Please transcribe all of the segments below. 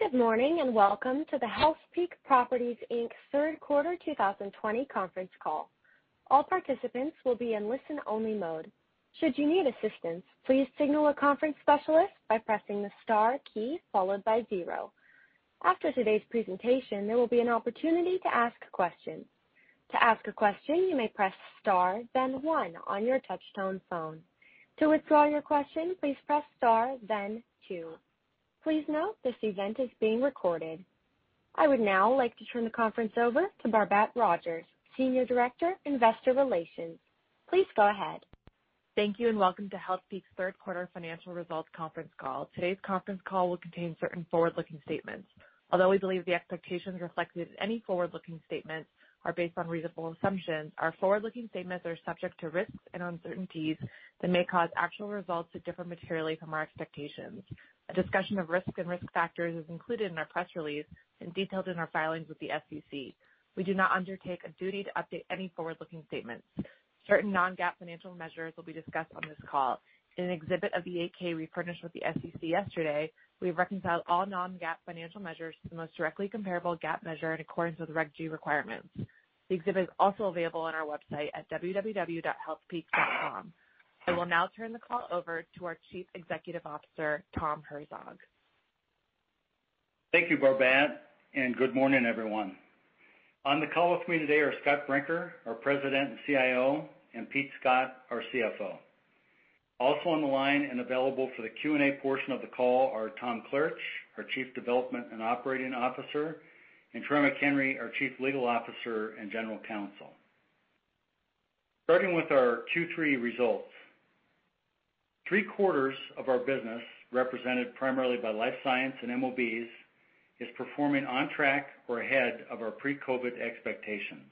Good morning, and welcome to the Healthpeak Properties, Inc.'s Q3 2020 conference call. All participants will be in listen only mode. Should you need assistance, please signal a conference specialist by pressing the star key followed by zero. After today's presentation, there will be an opportunity to ask questions. To ask a question, you may press Star, then one on your touchtone phone. To withdraw your question, please press Star then two. Please note this event is being recorded. I would now like to turn the conference over to Barbat Rodgers, Senior Director, Investor Relations. Please go ahead. Thank you and welcome to Healthpeak's Q3 financial results conference call. Today's conference call will contain certain forward-looking statements. Although we believe the expectations reflected in any forward-looking statements are based on reasonable assumptions, our forward-looking statements are subject to risks and uncertainties that may cause actual results to differ materially from our expectations. A discussion of risks and risk factors is included in our press release and detailed in our filings with the SEC. We do not undertake a duty to update any forward-looking statements. Certain non-GAAP financial measures will be discussed on this call. In an exhibit of the 8-K we furnished with the SEC yesterday, we have reconciled all non-GAAP financial measures to the most directly comparable GAAP measure in accordance with Regulation G requirements. The exhibit is also available on our website at www.healthpeak.com. I will now turn the call over to our chief executive officer, Tom Herzog. Thank you, Barbat. Good morning, everyone. On the call with me today are Scott Brinker, our President and CIO, and Pete Scott, our CFO. Also on the line and available for the Q&A portion of the call are Tom Klaritch, our Chief Development and Operating Officer, and Troy McHenry, our Chief Legal Officer and General Counsel. Starting with our Q3 results. Q3 of our business, represented primarily by life science and MOBs, is performing on track or ahead of our pre-COVID-19 expectations.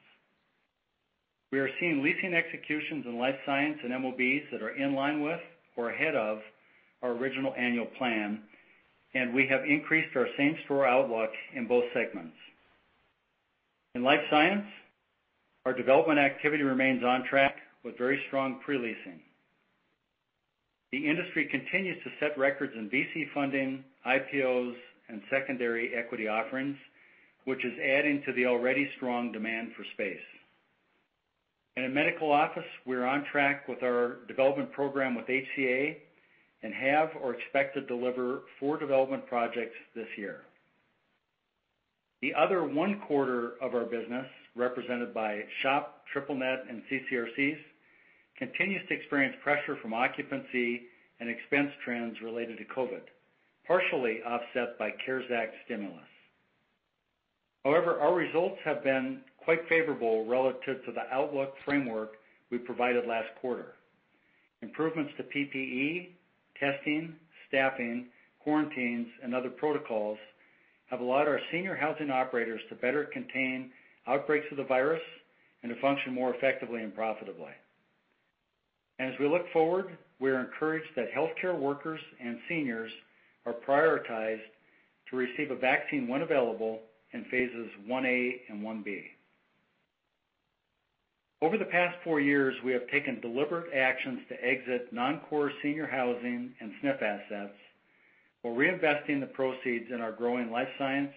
We are seeing leasing executions in life science and MOBs that are in line with or ahead of our original annual plan. We have increased our same-store outlook in both segments. In life science, our development activity remains on track with very strong pre-leasing. The industry continues to set records in VC funding, IPOs, and secondary equity offerings, which is adding to the already strong demand for space. In a medical office, we're on track with our development program with HCA and have or expect to deliver four development projects this year. The other one-quarter of our business, represented by SHOP, triple net, and CCRCs, continues to experience pressure from occupancy and expense trends related to COVID, partially offset by CARES Act stimulus. However, our results have been quite favorable relative to the outlook framework we provided last quarter. Improvements to PPE, testing, staffing, quarantines, and other protocols have allowed our senior housing operators to better contain outbreaks of the virus and to function more effectively and profitably. As we look forward, we are encouraged that healthcare workers and seniors are prioritized to receive a vaccine when available in Phases 1A and 1B. Over the past four years, we have taken deliberate actions to exit non-core senior housing and SNF assets while reinvesting the proceeds in our growing life science,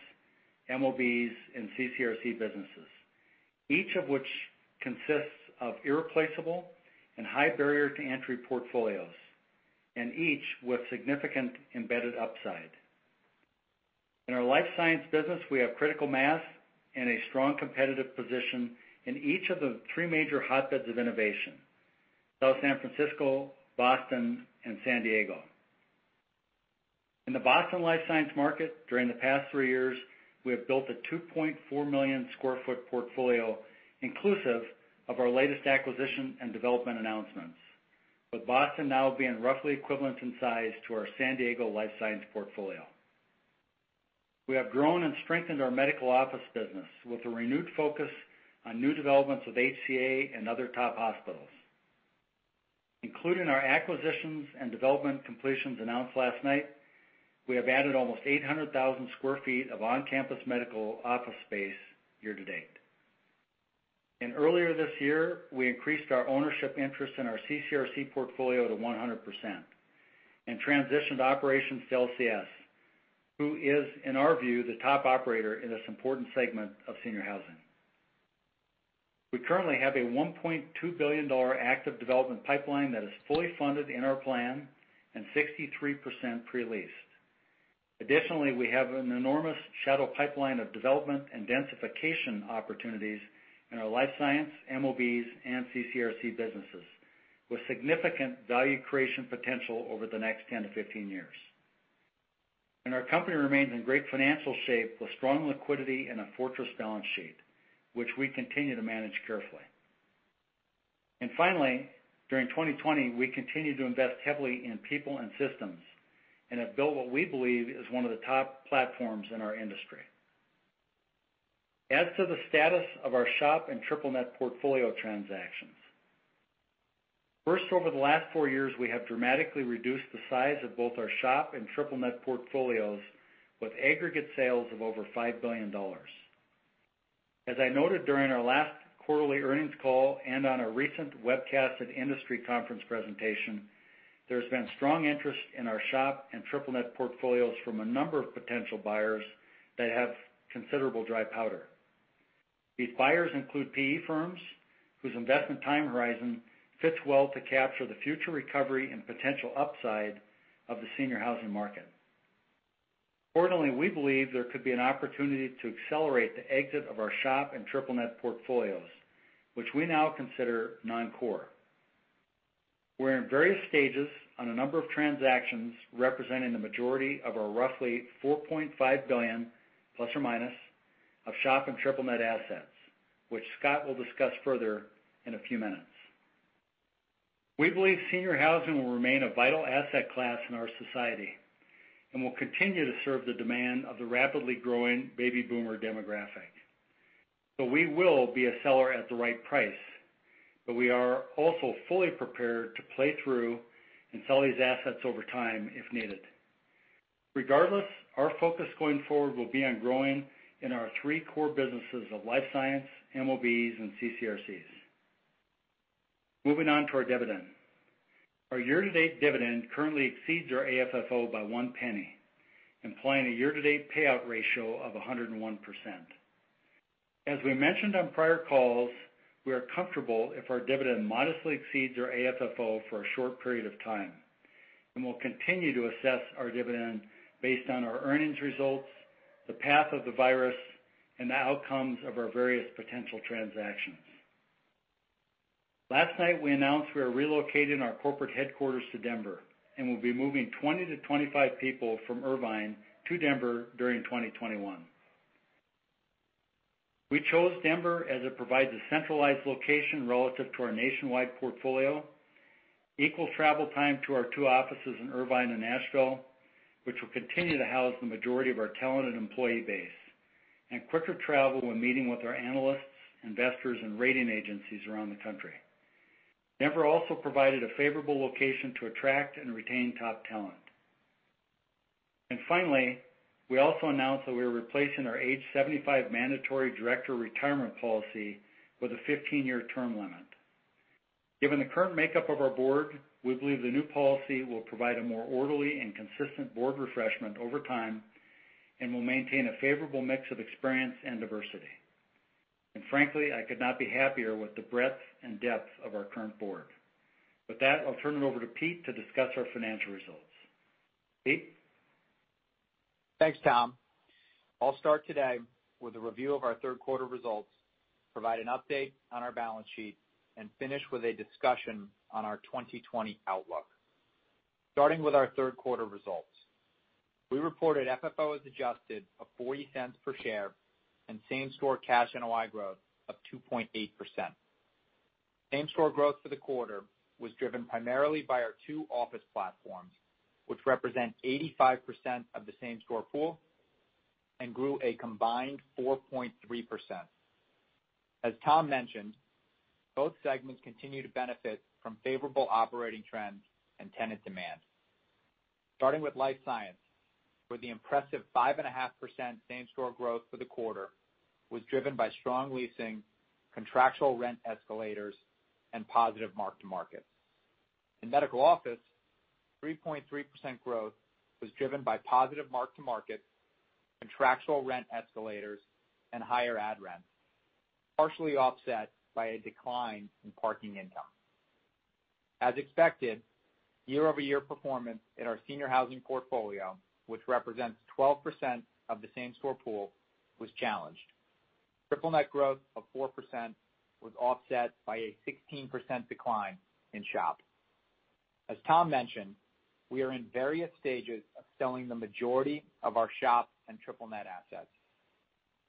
MOBs, and CCRC businesses, each of which consists of irreplaceable and high barrier to entry portfolios, and each with significant embedded upside. In our life science business, we have critical mass and a strong competitive position in each of the three major hotbeds of innovation: South San Francisco, Boston, and San Diego. In the Boston life science market during the past three years, we have built a 2.4 million sq ft portfolio inclusive of our latest acquisition and development announcements, with Boston now being roughly equivalent in size to our San Diego life science portfolio. We have grown and strengthened our medical office business with a renewed focus on new developments with HCA and other top hospitals. Including our acquisitions and development completions announced last night, we have added almost 800,000 square feet of on-campus medical office space year to date. Earlier this year, we increased our ownership interest in our CCRC portfolio to 100% and transitioned operations to LCS, who is, in our view, the top operator in this important segment of senior housing. We currently have a $1.2 billion active development pipeline that is fully funded in our plan and 63% pre-leased. Additionally, we have an enormous shadow pipeline of development and densification opportunities in our life science, MOBs, and CCRC businesses, with significant value creation potential over the next 10 to 15 years. Our company remains in great financial shape with strong liquidity and a fortress balance sheet, which we continue to manage carefully. Finally, during 2020, we continued to invest heavily in people and systems and have built what we believe is one of the top platforms in our industry. As to the status of our SHOP and triple net portfolio transactions. First, over the last four years, we have dramatically reduced the size of both our SHOP and triple net portfolios with aggregate sales of over $5 billion. As I noted during our last quarterly earnings call and on a recent webcast and industry conference presentation, there's been strong interest in our SHOP and triple net portfolios from a number of potential buyers that have considerable dry powder. These buyers include PE firms whose investment time horizon fits well to capture the future recovery and potential upside of the senior housing market. We believe there could be an opportunity to accelerate the exit of our SHOP and triple net portfolios, which we now consider non-core. We're in various stages on a number of transactions representing the majority of our roughly $4.5 billion ± of SHOP and triple net assets, which Scott will discuss further in a few minutes. We believe senior housing will remain a vital asset class in our society and will continue to serve the demand of the rapidly growing baby boomer demographic. We will be a seller at the right price, but we are also fully prepared to play through and sell these assets over time if needed. Regardless, our focus going forward will be on growing in our three core businesses of life science, MOBs, and CCRCs. Moving on to our dividend. Our year-to-date dividend currently exceeds our AFFO by $0.01, implying a year-to-date payout ratio of 101%. As we mentioned on prior calls, we are comfortable if our dividend modestly exceeds our AFFO for a short period of time, and we'll continue to assess our dividend based on our earnings results, the path of the virus, and the outcomes of our various potential transactions. Last night, we announced we are relocating our corporate headquarters to Denver and will be moving 20-25 people from Irvine to Denver during 2021. We chose Denver as it provides a centralized location relative to our nationwide portfolio, equal travel time to our two offices in Irvine and Nashville, which will continue to house the majority of our talented employee base, and quicker travel when meeting with our analysts, investors, and rating agencies around the country. Denver also provided a favorable location to attract and retain top talent. Finally, we also announced that we are replacing our age 75 mandatory director retirement policy with a 15-year term limit. Given the current makeup of our board, we believe the new policy will provide a more orderly and consistent board refreshment over time and will maintain a favorable mix of experience and diversity. Frankly, I could not be happier with the breadth and depth of our current board. With that, I'll turn it over to Pete to discuss our financial results. Pete? Thanks, Tom. I'll start today with a review of our Q3 results, provide an update on our balance sheet, and finish with a discussion on our 2020 outlook. Starting with our Q3 results, we reported FFO as adjusted of $0.40 per share and same store cash NOI growth of 2.8%. Same store growth for the quarter was driven primarily by our two office platforms, which represent 85% of the same store pool and grew a combined 4.3%. As Tom mentioned, both segments continue to benefit from favorable operating trends and tenant demand. Starting with Life Science, with the impressive 5.5% same store growth for the quarter was driven by strong leasing, contractual rent escalators, and positive mark-to-markets. In Medical Office, 3.3% growth was driven by positive mark-to-markets, contractual rent escalators, and higher added rent, partially offset by a decline in parking income. As expected, year-over-year performance in our senior housing portfolio, which represents 12% of the same store pool, was challenged. Triple net growth of 4% was offset by a 16% decline in SHOP. As Tom mentioned, we are in various stages of selling the majority of our SHOP and triple net assets.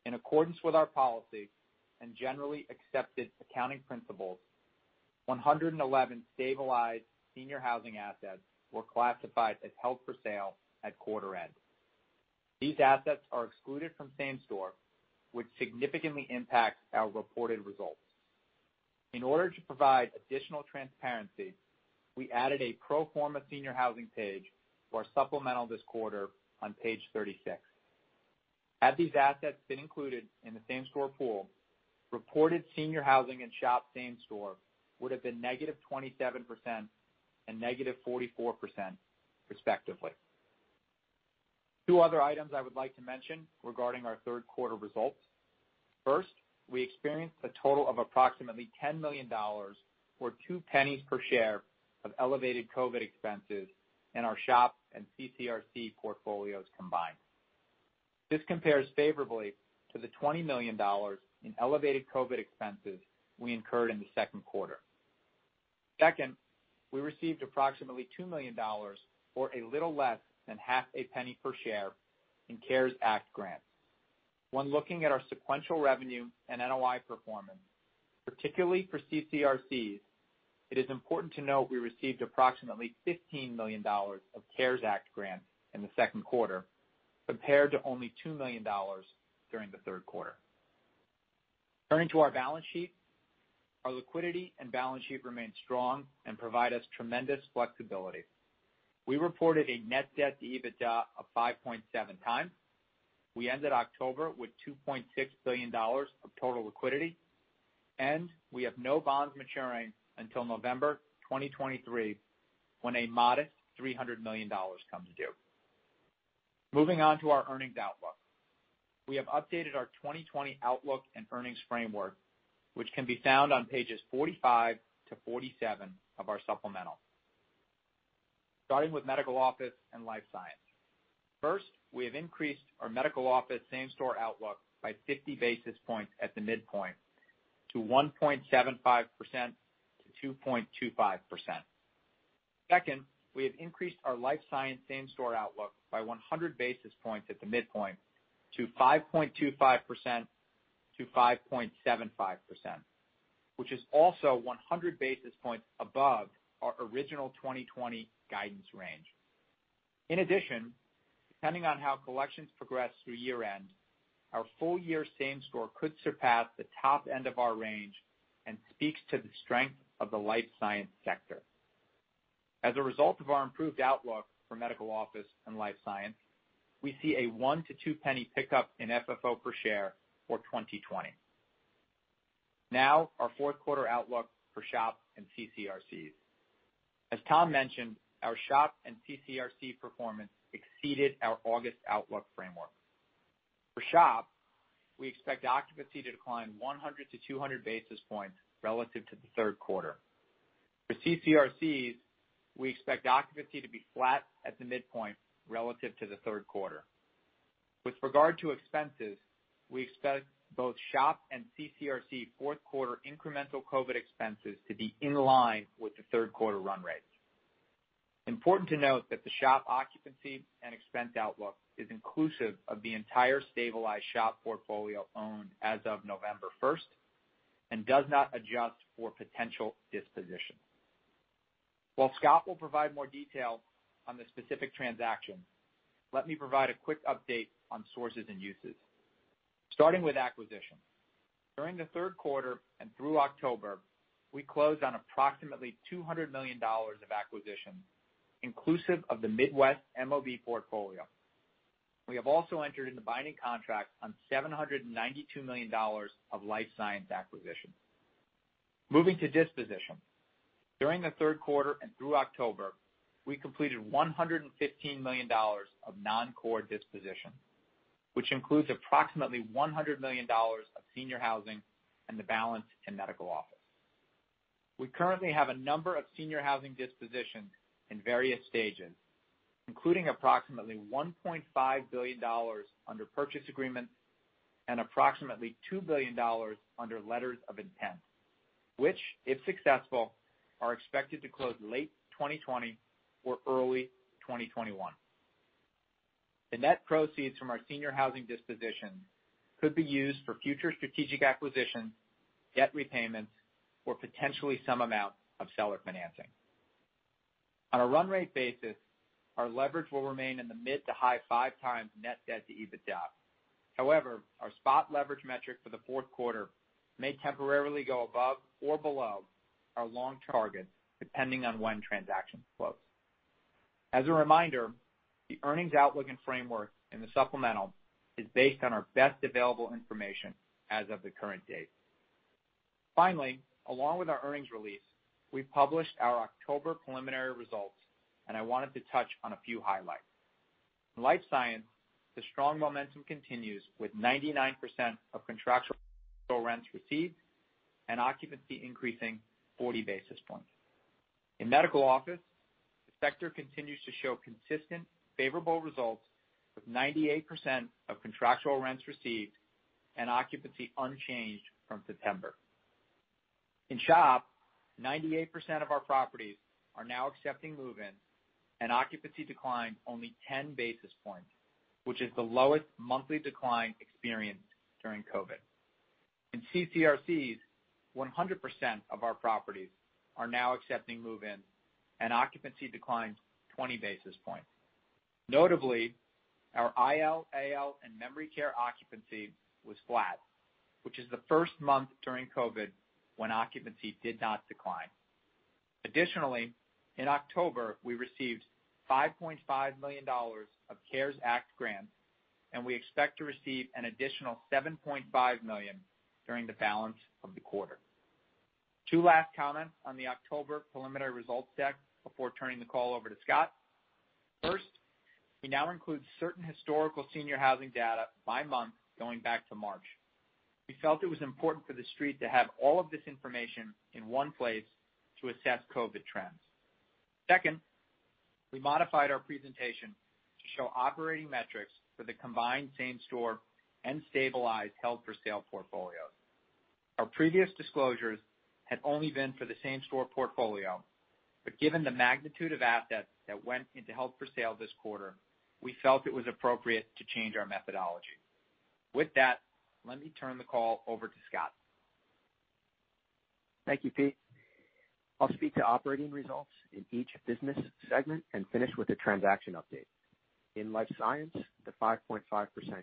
In accordance with our policy and generally accepted accounting principles, 111 stabilized senior housing assets were classified as held for sale at quarter end. These assets are excluded from same store, which significantly impacts our reported results. In order to provide additional transparency, we added a pro forma senior housing page to our supplemental this quarter on page 36. Had these assets been included in the same store pool, reported senior housing and SHOP same store would have been negative 27% and negative 44%, respectively. Two other items I would like to mention regarding our Q3 results. We experienced a total of approximately $10 million, or $0.02 per share, of elevated COVID expenses in our SHOP and CCRC portfolios combined. This compares favorably to the $20 million in elevated COVID expenses we incurred in the Q2. We received approximately $2 million, or a little less than half of a penny per share, in CARES Act grants. When looking at our sequential revenue and NOI performance, particularly for CCRCs, it is important to note we received approximately $15 million of CARES Act grants in the Q2, compared to only $2 million during the Q3. Turning to our balance sheet. Our liquidity and balance sheet remain strong and provide us tremendous flexibility. We reported a net debt to EBITDA of 5.7 times. We ended October with $2.6 billion of total liquidity, and we have no bonds maturing until November 2023, when a modest $300 million comes due. Moving on to our earnings outlook. We have updated our 2020 outlook and earnings framework, which can be found on pages 45 to 47 of our supplemental. Starting with medical office and life science. First, we have increased our medical office same-store outlook by 50 basis points at the midpoint to 1.75%-2.25%. Second, we have increased our life science same-store outlook by 100 basis points at the midpoint to 5.25%-5.75%, which is also 100 basis points above our original 2020 guidance range. In addition, depending on how collections progress through year-end, our full-year same store could surpass the top end of our range and speaks to the strength of the life science sector. As a result of our improved outlook for medical office and life science, we see a $0.01 to $0.02 pickup in FFO per share for 2020. Our Q4 outlook for SHOP and CCRCs. As Tom mentioned, our SHOP and CCRC performance exceeded our August outlook framework. For SHOP, we expect occupancy to decline 100 to 200 basis points relative to the Q3. For CCRCs, we expect occupancy to be flat at the midpoint relative to the Q3. With regard to expenses, we expect both SHOP and CCRC Q4 incremental COVID expenses to be in line with the Q3 run rate. Important to note that the SHOP occupancy and expense outlook is inclusive of the entire stabilized SHOP portfolio owned as of November 1st and does not adjust for potential dispositions. While Scott will provide more detail on the specific transaction, let me provide a quick update on sources and uses. Starting with acquisition. During the Q3 and through October, we closed on approximately $200 million of acquisition, inclusive of the Midwest MOB portfolio. We have also entered into binding contract on $792 million of life science acquisition. Moving to disposition. During the Q3 and through October, we completed $115 million of non-core disposition, which includes approximately $100 million of senior housing and the balance in medical office. We currently have a number of senior housing dispositions in various stages, including approximately $1.5 billion under purchase agreement and approximately $2 billion under letters of intent, which, if successful, are expected to close late 2020 or early 2021. The net proceeds from our senior housing disposition could be used for future strategic acquisitions, debt repayments, or potentially some amount of seller financing. On a run rate basis, our leverage will remain in the mid to high 5x net debt to EBITDA. Our spot leverage metric for the Q4 may temporarily go above or below our long target, depending on when transactions close. As a reminder, the earnings outlook and framework in the supplemental is based on our best available information as of the current date. Along with our earnings release, we published our October preliminary results, and I wanted to touch on a few highlights. In life science, the strong momentum continues with 99% of contractual rents received and occupancy increasing 40 basis points. In medical office, the sector continues to show consistent favorable results with 98% of contractual rents received and occupancy unchanged from September. In SHOP, 98% of our properties are now accepting move-ins, and occupancy declined only 10 basis points, which is the lowest monthly decline experienced during COVID. In CCRCs, 100% of our properties are now accepting move-ins, and occupancy declined 20 basis points. Notably, our IL, AL, and memory care occupancy was flat, which is the first month during COVID when occupancy did not decline. Additionally, in October, we received $5.5 million of CARES Act grants, and we expect to receive an additional $7.5 million during the balance of the quarter. Two last comments on the October preliminary results deck before turning the call over to Scott. First, we now include certain historical senior housing data by month, going back to March. We felt it was important for The Street to have all of this information in one place to assess COVID trends. Second, we modified our presentation to show operating metrics for the combined same store and stabilized held-for-sale portfolios. Our previous disclosures had only been for the same store portfolio, but given the magnitude of assets that went into held for sale this quarter, we felt it was appropriate to change our methodology. With that, let me turn the call over to Scott. Thank you, Pete. I'll speak to operating results in each business segment and finish with a transaction update. In life science, the 5.5%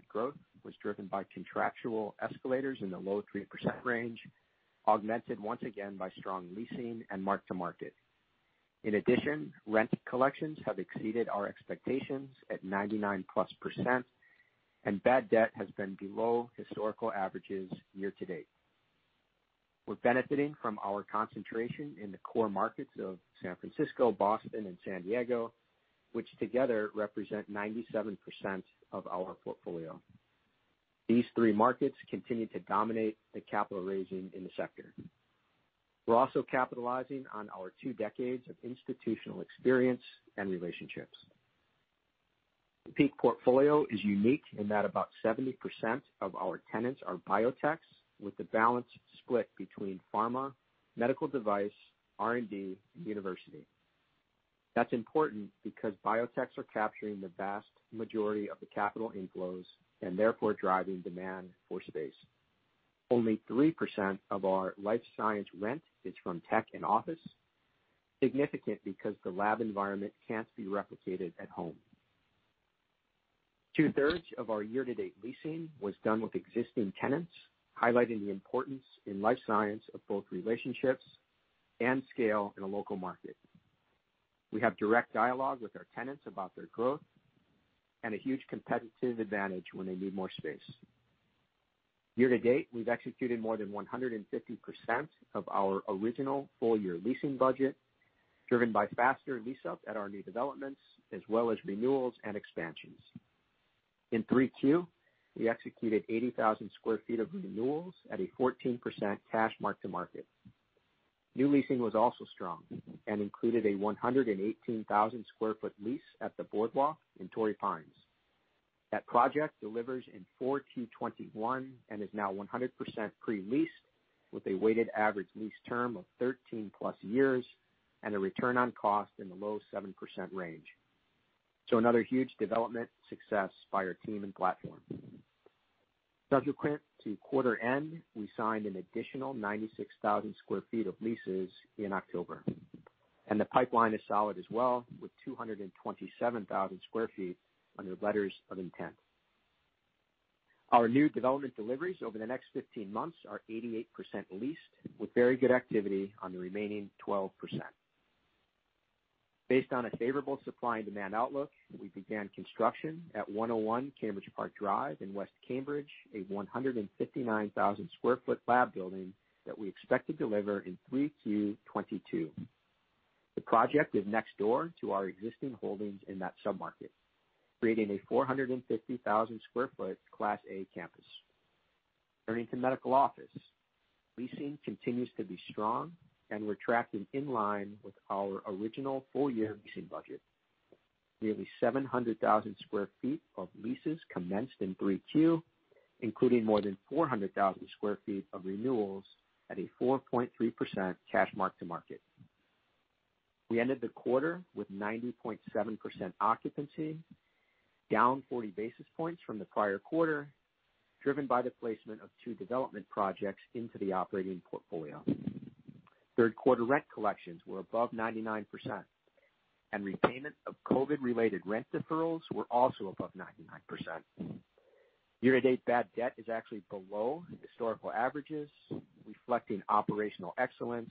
growth was driven by contractual escalators in the low 3% range, augmented once again by strong leasing and mark-to-market. In addition, rent collections have exceeded our expectations at 99-plus%, and bad debt has been below historical averages year-to-date. We're benefiting from our concentration in the core markets of San Francisco, Boston, and San Diego, which together represent 97% of our portfolio. These three markets continue to dominate the capital raising in the sector. We're also capitalizing on our two decades of institutional experience and relationships. The Peak portfolio is unique in that about 70% of our tenants are biotechs, with the balance split between pharma, medical device, R&D, and university. That's important because biotechs are capturing the vast majority of the capital inflows and therefore driving demand for space. Only 3% of our life science rent is from tech and office, significant because the lab environment can't be replicated at home. Two-thirds of our year-to-date leasing was done with existing tenants, highlighting the importance in life science of both relationships and scale in a local market. We have direct dialogue with our tenants about their growth and a huge competitive advantage when they need more space. Year-to-date, we've executed more than 150% of our original full-year leasing budget, driven by faster lease-up at our new developments, as well as renewals and expansions. In Q3, we executed 80,000 sq ft of renewals at a 14% cash mark-to-market. New leasing was also strong and included a 118,000 sq ft lease at The Boardwalk in Torrey Pines. That project delivers in 4Q21 and is now 100% pre-leased with a weighted average lease term of 13+ years and a return on cost in the low 7% range. Another huge development success by our team and platform. Subsequent to quarter end, we signed an additional 96,000 sq ft of leases in October, and the pipeline is solid as well with 227,000 sq ft under letters of intent. Our new development deliveries over the next 15 months are 88% leased, with very good activity on the remaining 12%. Based on a favorable supply and demand outlook, we began construction at 101 Cambridge Park Drive in West Cambridge, a 159,000 sq ft lab building that we expect to deliver in Q3 2022. The project is next door to our existing holdings in that submarket, creating a 450,000 sq ft Class A campus. Turning to Medical Office. Leasing continues to be strong. We're tracking in line with our original full-year leasing budget. Nearly 700,000 square feet of leases commenced in Q3, including more than 400,000 square feet of renewals at a 4.3% cash mark-to-market. We ended the quarter with 90.7% occupancy, down 40 basis points from the prior quarter, driven by the placement of two development projects into the operating portfolio. Q3 rent collections were above 99%. Repayment of COVID related rent deferrals were also above 99%. Year-to-date, bad debt is actually below historical averages, reflecting operational excellence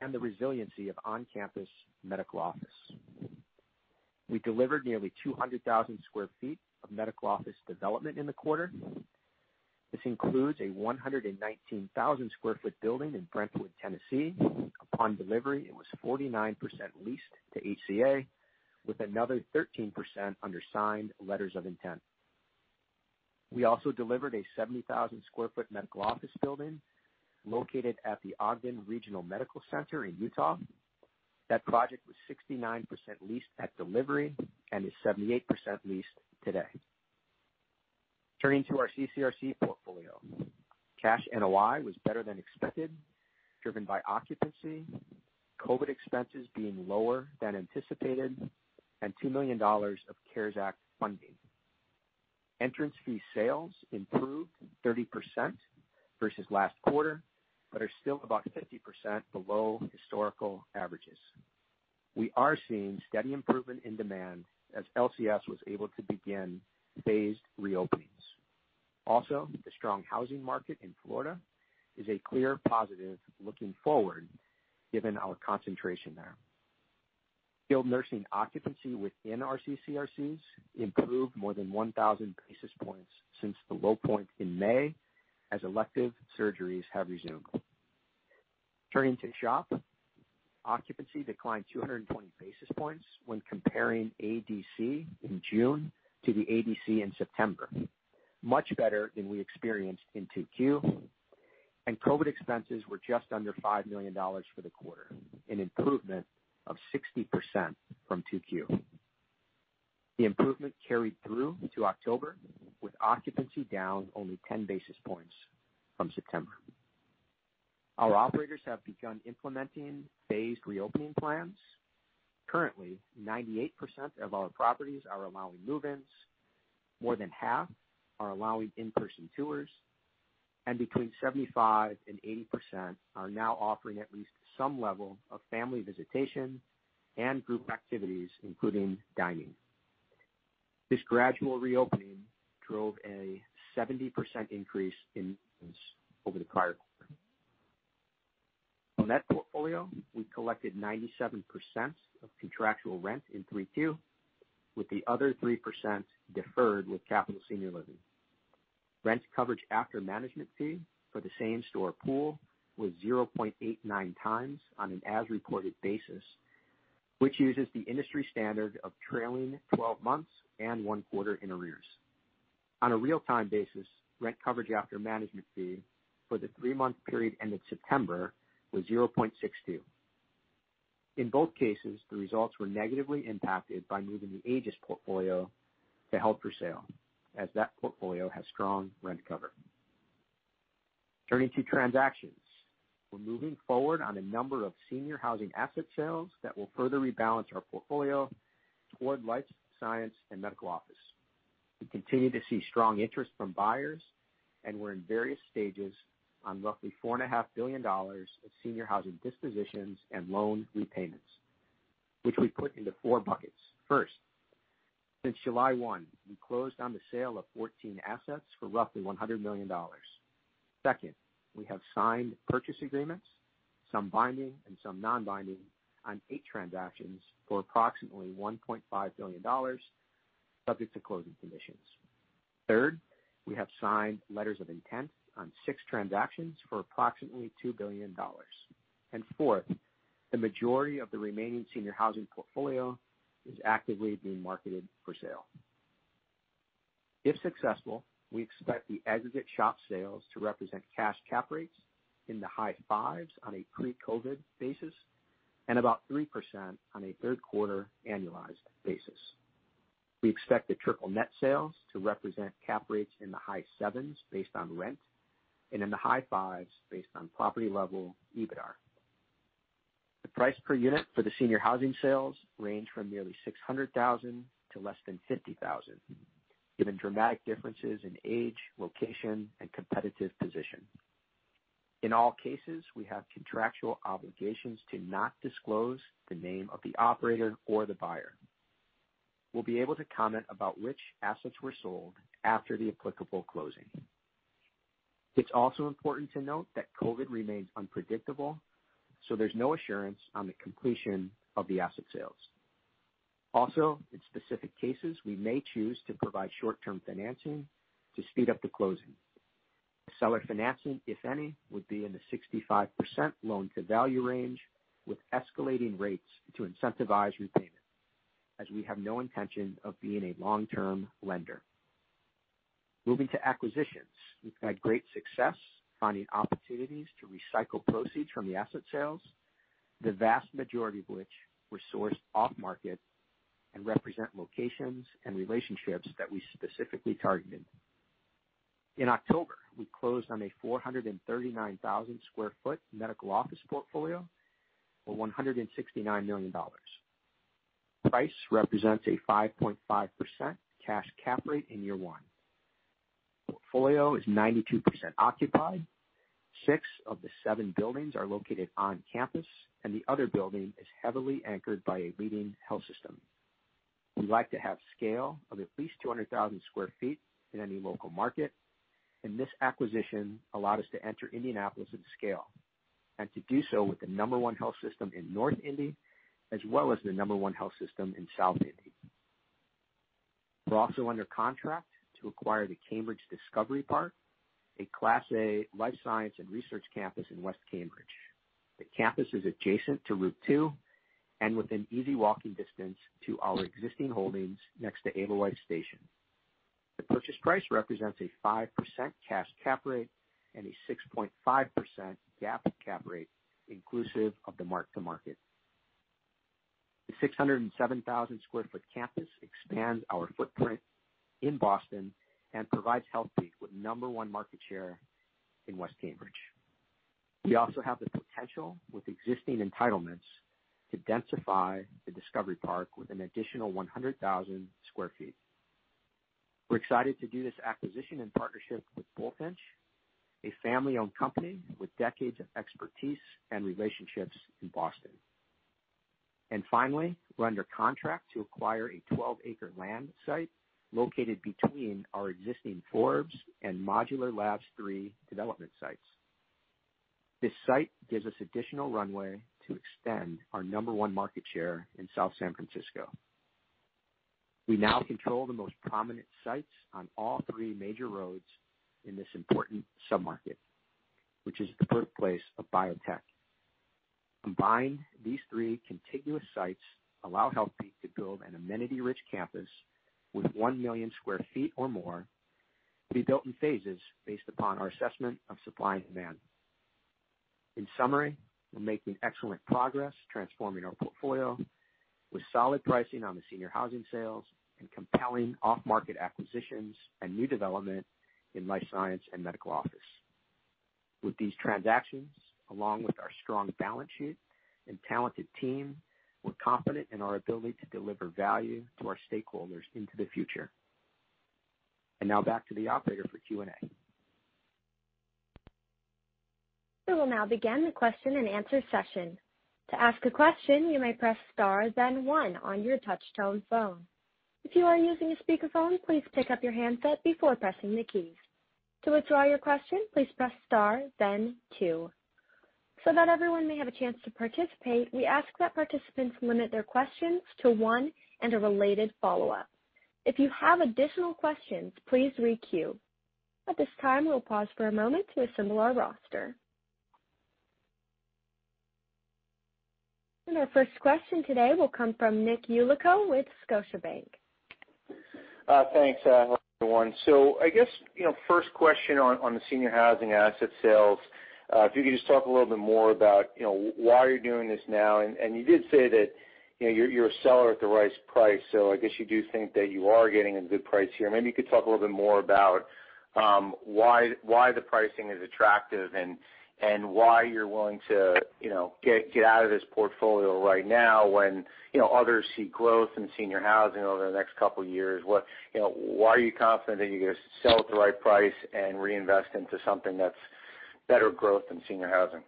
and the resiliency of on-campus medical office. We delivered nearly 200,000 square feet of medical office development in the quarter. This includes a 119,000 square foot building in Brentwood, Tennessee. Upon delivery, it was 49% leased to HCA, with another 13% under signed letters of intent. We also delivered a 70,000 sq ft medical office building located at the Ogden Regional Medical Center in Utah. That project was 69% leased at delivery and is 78% leased today. Turning to our CCRC portfolio. Cash NOI was better than expected, driven by occupancy, COVID expenses being lower than anticipated, and $2 million of CARES Act funding. Entrance fee sales improved 30% versus last quarter, but are still about 50% below historical averages. We are seeing steady improvement in demand as LCS was able to begin phased reopenings. The strong housing market in Florida is a clear positive looking forward given our concentration there. Skilled nursing occupancy within our CCRCs improved more than 1,000 basis points since the low point in May as elective surgeries have resumed. Turning to SHOP. Occupancy declined 220 basis points when comparing ADC in June to the ADC in September. Much better than we experienced in Q2. COVID expenses were just under $5 million for the quarter, an improvement of 60% from Q2. The improvement carried through to October, with occupancy down only 10 basis points from September. Our operators have begun implementing phased reopening plans. Currently, 98% of our properties are allowing move-ins. More than half are allowing in-person tours, and between 75% and 80% are now offering at least some level of family visitation and group activities, including dining. This gradual reopening drove a 70% increase in rents over the prior quarter. On that portfolio, we collected 97% of contractual rent in Q3, with the other 3% deferred with Capital Senior Living. Rent coverage after management fee for the same-store pool was 0.89 times on an as-reported basis, which uses the industry standard of trailing 12 months and one quarter in arrears. On a real-time basis, rent coverage after management fee for the three-month period ended September was 0.62. In both cases, the results were negatively impacted by moving the Aegis portfolio to held for sale, as that portfolio has strong rent cover. Turning to transactions. We are moving forward on a number of senior housing asset sales that will further rebalance our portfolio toward life science and medical office. We continue to see strong interest from buyers. We are in various stages on roughly $4.5 billion of senior housing dispositions and loan repayments, which we put into 4 buckets. First, since July 1, we closed on the sale of 14 assets for roughly $100 million. Second, we have signed purchase agreements, some binding and some non-binding, on 8 transactions for approximately $1.5 billion, subject to closing conditions. Third, we have signed letters of intent on 6 transactions for approximately $2 billion. Fourth, the majority of the remaining senior housing portfolio is actively being marketed for sale. If successful, we expect the exit SHOP sales to represent cash cap rates in the high fives on a pre-COVID basis and about 3% on a Q3 annualized basis. We expect the triple net sales to represent cap rates in the high sevens based on rent and in the high fives based on property-level EBITDAR. The price per unit for the senior housing sales range from nearly $600,000 to less than $50,000, given dramatic differences in age, location, and competitive position. In all cases, we have contractual obligations to not disclose the name of the operator or the buyer. We'll be able to comment about which assets were sold after the applicable closing. It's also important to note that COVID remains unpredictable, so there's no assurance on the completion of the asset sales. In specific cases, we may choose to provide short-term financing to speed up the closing. The seller financing, if any, would be in the 65% loan to value range with escalating rates to incentivize repayment, as we have no intention of being a long-term lender. Moving to acquisitions. We've had great success finding opportunities to recycle proceeds from the asset sales, the vast majority of which were sourced off-market and represent locations and relationships that we specifically targeted. In October, we closed on a 439,000 sq ft medical office portfolio for $169 million. Price represents a 5.5% cash cap rate in year one. The portfolio is 92% occupied. Six of the seven buildings are located on campus, and the other building is heavily anchored by a leading health system. We like to have scale of at least 200,000 square feet in any local market, and this acquisition allowed us to enter Indianapolis at scale and to do so with the number one health system in North Indy, as well as the number one health system in South Indy. We're also under contract to acquire the Cambridge Discovery Park, a Class A life science and research campus in West Cambridge. The campus is adjacent to Route 2 and within easy walking distance to our existing holdings next to Alewife Station. The purchase price represents a 5% cash cap rate and a 6.5% GAAP cap rate, inclusive of the mark-to-market. The 607,000 square foot campus expands our footprint in Boston and provides Healthpeak with number one market share in West Cambridge. We also have the potential with existing entitlements to densify the Discovery Park with an additional 100,000 square feet. We're excited to do this acquisition and partnership with Bulfinch, a family-owned company with decades of expertise and relationships in Boston. Finally, we're under contract to acquire a 12-acre land site located between our existing Forbes and Modular Labs 3 development sites. This site gives us additional runway to extend our number 1 market share in South San Francisco. We now control the most prominent sites on all three major roads in this important submarket, which is the birthplace of biotech. Combined, these three contiguous sites allow Healthpeak to build an amenity-rich campus with 1 million square feet or more to be built in phases based upon our assessment of supply and demand. In summary, we're making excellent progress transforming our portfolio with solid pricing on the senior housing sales and compelling off-market acquisitions and new development in life science and medical office. With these transactions, along with our strong balance sheet and talented team, we're confident in our ability to deliver value to our stakeholders into the future. Now back to the operator for Q&A. We will now begin the question and answer session. To ask a question, you may press star then one on your touch-tone phone. If you are using a speakerphone, please pick up your handset before pressing the keys. To withdraw your question, please press star then two. That everyone may have a chance to participate, we ask that participants limit their questions to one and a related follow-up. If you have additional questions, please re-queue. At this time, we'll pause for a moment to assemble our roster. Our first question today will come from Nicholas Yulico with Scotiabank. Thanks. Hello, everyone. I guess, first question on the senior housing asset sales. If you could just talk a little bit more about why you're doing this now, and you did say that you're a seller at the right price. I guess you do think that you are getting a good price here. Maybe you could talk a little bit more about why the pricing is attractive and why you're willing to get out of this portfolio right now when others see growth in senior housing over the next couple of years. Why are you confident that you're going to sell at the right price and reinvest into something that's better growth than senior housing?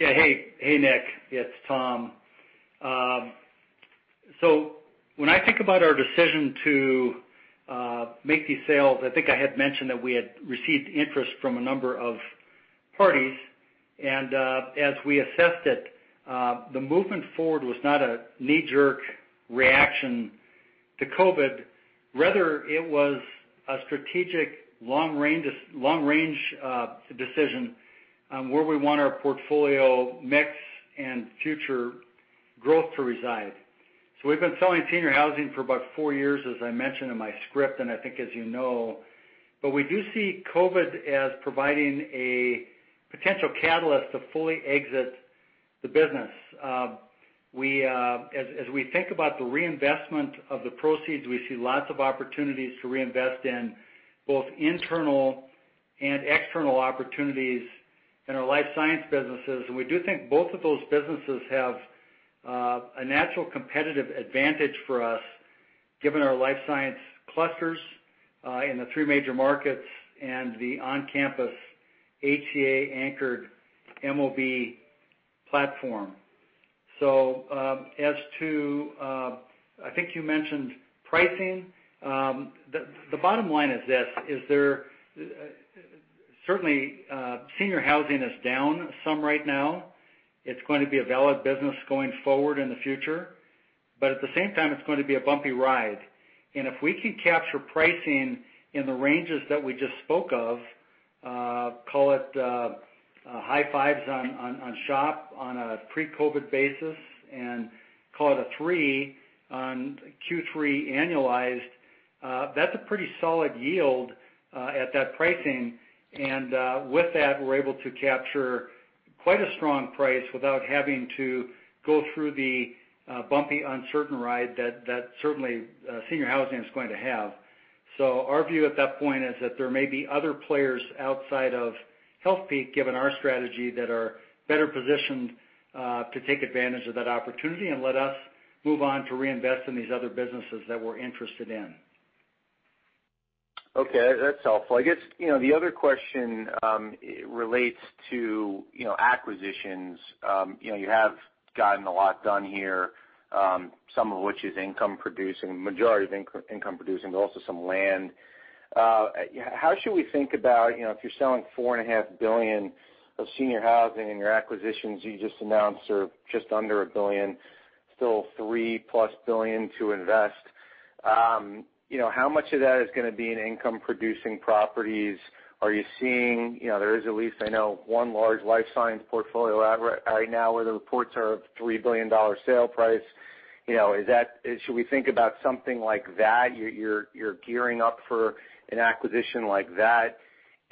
Yeah. Hey, Nick. It's Tom. When I think about our decision to make these sales, I think I had mentioned that we had received interest from a number of parties. As we assessed it, the movement forward was not a knee-jerk reaction to COVID. Rather, it was a strategic long-range decision on where we want our portfolio mix and future growth to reside. We've been selling senior housing for about four years, as I mentioned in my script, and I think as you know. We do see COVID as providing a potential catalyst to fully exit the business. As we think about the reinvestment of the proceeds, we see lots of opportunities to reinvest in both internal and external opportunities in our life science businesses, and we do think both of those businesses have a natural competitive advantage for us, given our life science clusters in the three major markets and the on-campus HCA-anchored MOB platform. As to, I think you mentioned pricing. The bottom line is this, certainly, senior housing is down some right now. It's going to be a valid business going forward in the future. At the same time, it's going to be a bumpy ride. If we can capture pricing in the ranges that we just spoke of, call it high fives on SHOP on a pre-COVID basis and call it a three on Q3 annualized, that's a pretty solid yield at that pricing. With that, we're able to capture quite a strong price without having to go through the bumpy, uncertain ride that certainly senior housing is going to have. Our view at that point is that there may be other players outside of Healthpeak, given our strategy, that are better positioned to take advantage of that opportunity and let us move on to reinvest in these other businesses that we're interested in. Okay. That's helpful. I guess, the other question relates to acquisitions. You have gotten a lot done here, some of which is income producing, majority is income producing, but also some land. How should we think about if you're selling $4.5 billion of senior housing and your acquisitions you just announced are just under $1 billion, still $3+ billion to invest. How much of that is going to be in income-producing properties? There is at least, I know, one large life science portfolio out right now where the reports are of $3 billion sale price. Should we think about something like that? You're gearing up for an acquisition like that.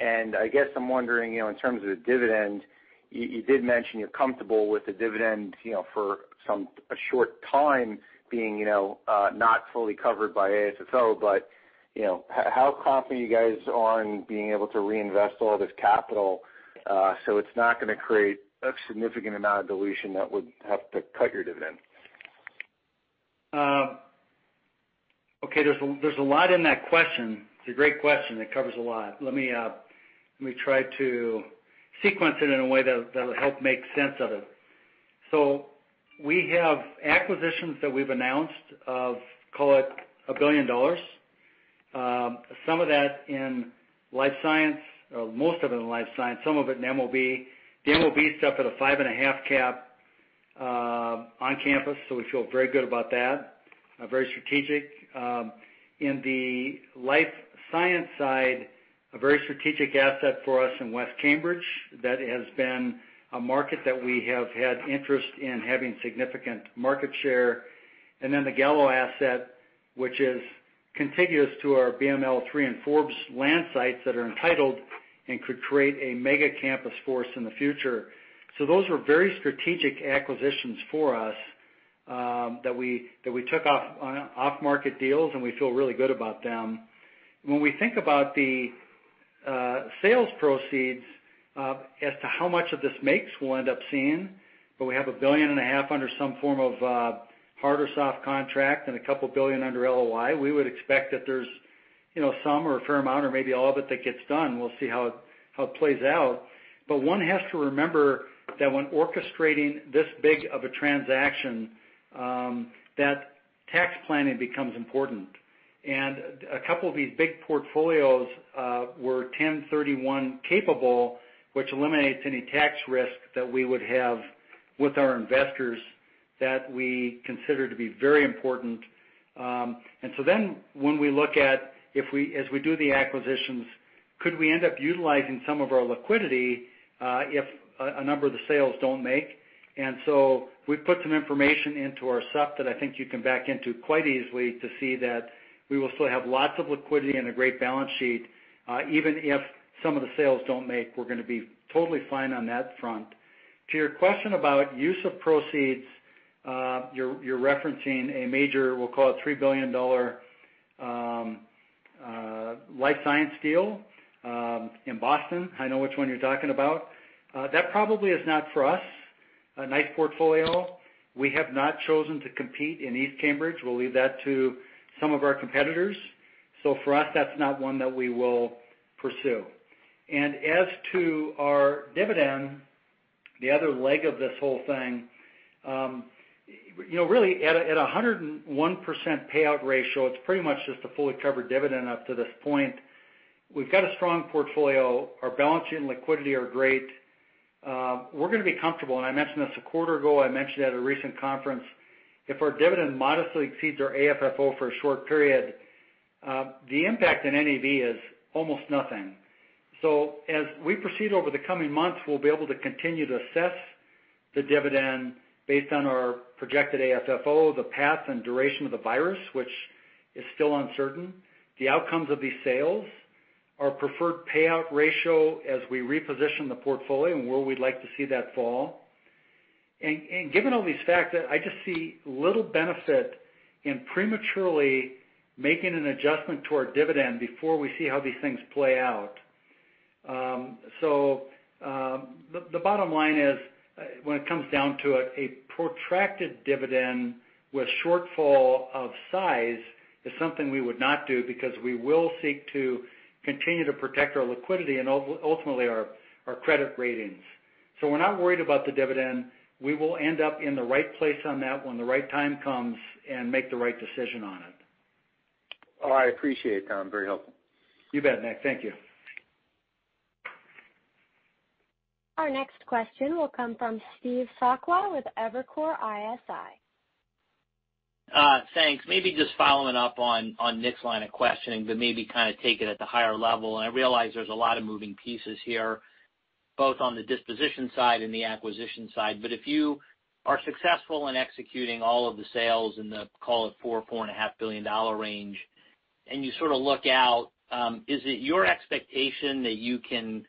I guess I'm wondering, in terms of the dividend, you did mention you're comfortable with the dividend for a short time being not fully covered by AFFO. How confident are you guys on being able to reinvest all this capital so it's not going to create a significant amount of dilution that would have to cut your dividend? Okay. There's a lot in that question. It's a great question that covers a lot. Let me try to sequence it in a way that'll help make sense of it. We have acquisitions that we've announced of, call it, $1 billion. Some of that in life science, most of it in life science, some of it in MOB. The MOB stuff at a 5.5 cap on campus, so we feel very good about that. Very strategic. In the life science side, a very strategic asset for us in West Cambridge. That has been a market that we have had interest in having significant market share. The Gallo asset, which is contiguous to our BML 3 and Forbes land sites that are entitled and could create a mega campus for us in the future. Those were very strategic acquisitions for us. We took off-market deals, and we feel really good about them. When we think about the sales proceeds as to how much of this makes we'll end up seeing, but we have a billion and a half under some form of hard or soft contract and a couple billion under LOI. We would expect that there's some or a fair amount or maybe all of it that gets done. We'll see how it plays out. One has to remember that when orchestrating this big of a transaction, that tax planning becomes important. A couple of these big portfolios were 1031 capable, which eliminates any tax risk that we would have with our investors that we consider to be very important. When we look at, as we do the acquisitions, could we end up utilizing some of our liquidity if a number of the sales don't make? We put some information into our supp that I think you can back into quite easily to see that we will still have lots of liquidity and a great balance sheet. Even if some of the sales don't make, we're going to be totally fine on that front. To your question about use of proceeds, you're referencing a major, we'll call it $3 billion life science deal in Boston. I know which one you're talking about. That probably is not for us. A nice portfolio. We have not chosen to compete in East Cambridge. We'll leave that to some of our competitors. For us, that's not one that we will pursue. As to our dividend, the other leg of this whole thing. Really at 101% payout ratio, it's pretty much just a fully covered dividend up to this point. We've got a strong portfolio. Our balance sheet and liquidity are great. We're going to be comfortable, and I mentioned this a quarter ago, I mentioned at a recent conference, if our dividend modestly exceeds our AFFO for a short period, the impact in NAV is almost nothing. As we proceed over the coming months, we'll be able to continue to assess the dividend based on our projected AFFO, the path and duration of the virus, which is still uncertain, the outcomes of these sales, our preferred payout ratio as we reposition the portfolio and where we'd like to see that fall. Given all these facts, I just see little benefit in prematurely making an adjustment to our dividend before we see how these things play out. The bottom line is, when it comes down to it, a protracted dividend with shortfall of size is something we would not do because we will seek to continue to protect our liquidity and ultimately our credit ratings. We're not worried about the dividend. We will end up in the right place on that when the right time comes and make the right decision on it. Oh, I appreciate it, Tom. Very helpful. You bet, Nick. Thank you. Our next question will come from Steve Sakwa with Evercore ISI. Thanks. Maybe just following up on Nick's line of questioning, but maybe kind of take it at the higher level. I realize there's a lot of moving pieces here, both on the disposition side and the acquisition side. If you are successful in executing all of the sales in the, call it $4 billion-$4.5 billion range, and you sort of look out, is it your expectation that you can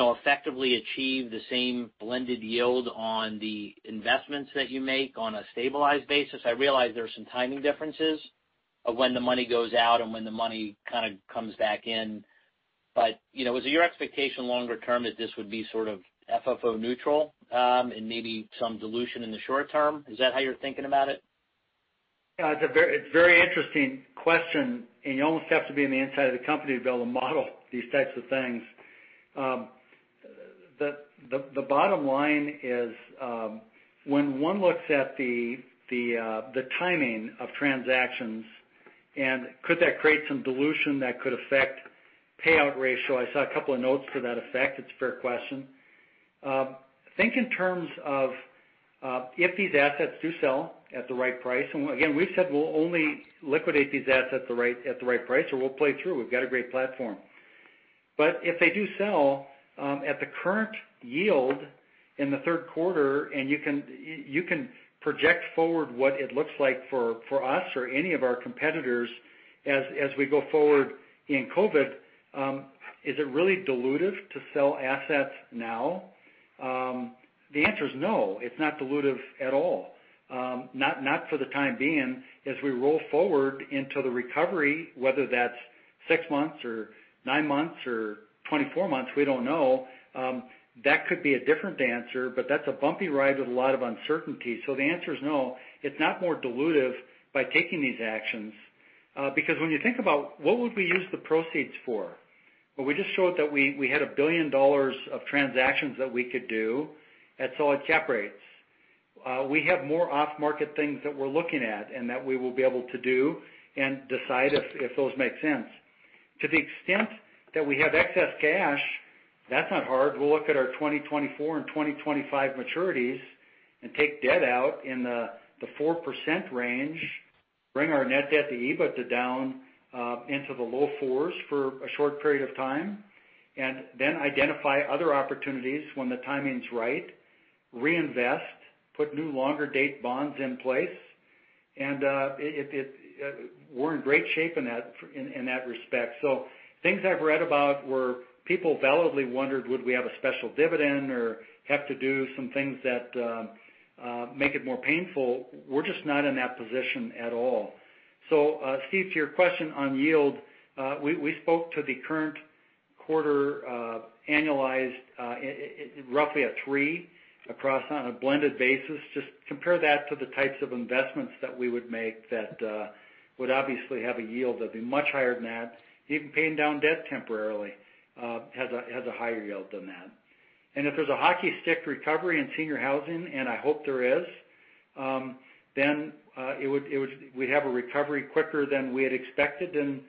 effectively achieve the same blended yield on the investments that you make on a stabilized basis? I realize there are some timing differences of when the money goes out and when the money kind of comes back in. Is it your expectation longer term that this would be sort of FFO neutral, and maybe some dilution in the short term? Is that how you're thinking about it? It's a very interesting question, and you almost have to be on the inside of the company to be able to model these types of things. The bottom line is, when one looks at the timing of transactions and could that create some dilution that could affect payout ratio, I saw a couple of notes to that effect. It's a fair question. Think in terms of if these assets do sell at the right price, and again, we've said we'll only liquidate these assets at the right price, or we'll play through. We've got a great platform. If they do sell at the current yield in the Q3, and you can project forward what it looks like for us or any of our competitors as we go forward in COVID, is it really dilutive to sell assets now? The answer is no, it's not dilutive at all. Not for the time being. As we roll forward into the recovery, whether that's six months or nine months or 24 months, we don't know. That could be a different answer, but that's a bumpy ride with a lot of uncertainty. The answer is no, it's not more dilutive by taking these actions. When you think about what would we use the proceeds for? Well, we just showed that we had $1 billion of transactions that we could do at solid cap rates. We have more off-market things that we're looking at and that we will be able to do and decide if those make sense. To the extent that we have excess cash, that's not hard. We'll look at our 2024 and 2025 maturities and take debt out in the 4% range, bring our net debt to EBITDA down into the low fours for a short period of time, then identify other opportunities when the timing's right, reinvest, put new longer-date bonds in place. We're in great shape in that respect. Things I've read about where people validly wondered, would we have a special dividend or have to do some things that make it more painful, we're just not in that position at all. Steve, to your question on yield, we spoke to the current quarter annualized, roughly a three across on a blended basis. Just compare that to the types of investments that we would make that would obviously have a yield that'd be much higher than that. Even paying down debt temporarily has a higher yield than that. If there's a hockey stick recovery in senior housing, and I hope there is, then we'd have a recovery quicker than we had expected, and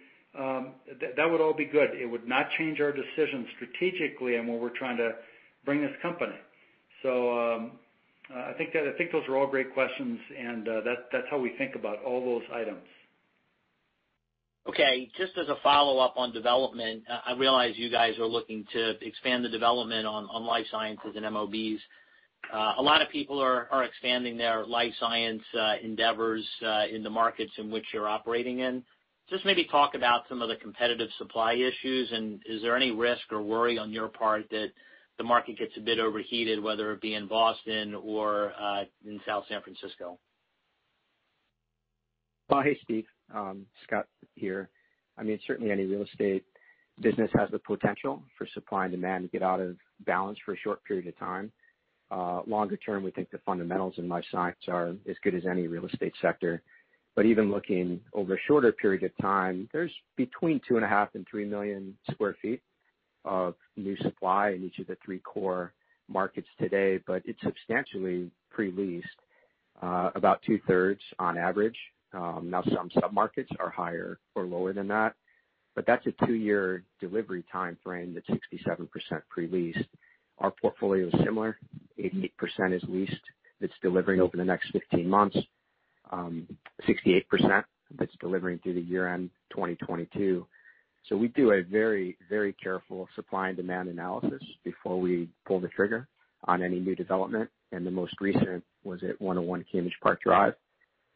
that would all be good. It would not change our decision strategically in what we're trying to bring this company. I think those are all great questions, and that's how we think about all those items. Okay, just as a follow-up on development, I realize you guys are looking to expand the development on life sciences and MOBs. A lot of people are expanding their life science endeavors in the markets in which you're operating in. Just maybe talk about some of the competitive supply issues, and is there any risk or worry on your part that the market gets a bit overheated, whether it be in Boston or in South San Francisco? Well, hey, Steve. Scott here. I mean, certainly any real estate business has the potential for supply and demand to get out of balance for a short period of time. Longer term, we think the fundamentals in life science are as good as any real estate sector. Even looking over a shorter period of time, there's between 2.5 million and 3 million square feet of new supply in each of the three core markets today, but it's substantially pre-leased, about two-thirds on average. Some sub-markets are higher or lower than that, but that's a two-year delivery timeframe that's 67% pre-leased. Our portfolio is similar. 88% is leased, that's delivering over the next 15 months. 68% that's delivering through the year-end 2022. We do a very careful supply and demand analysis before we pull the trigger on any new development, and the most recent was at 101 Cambridge Park Drive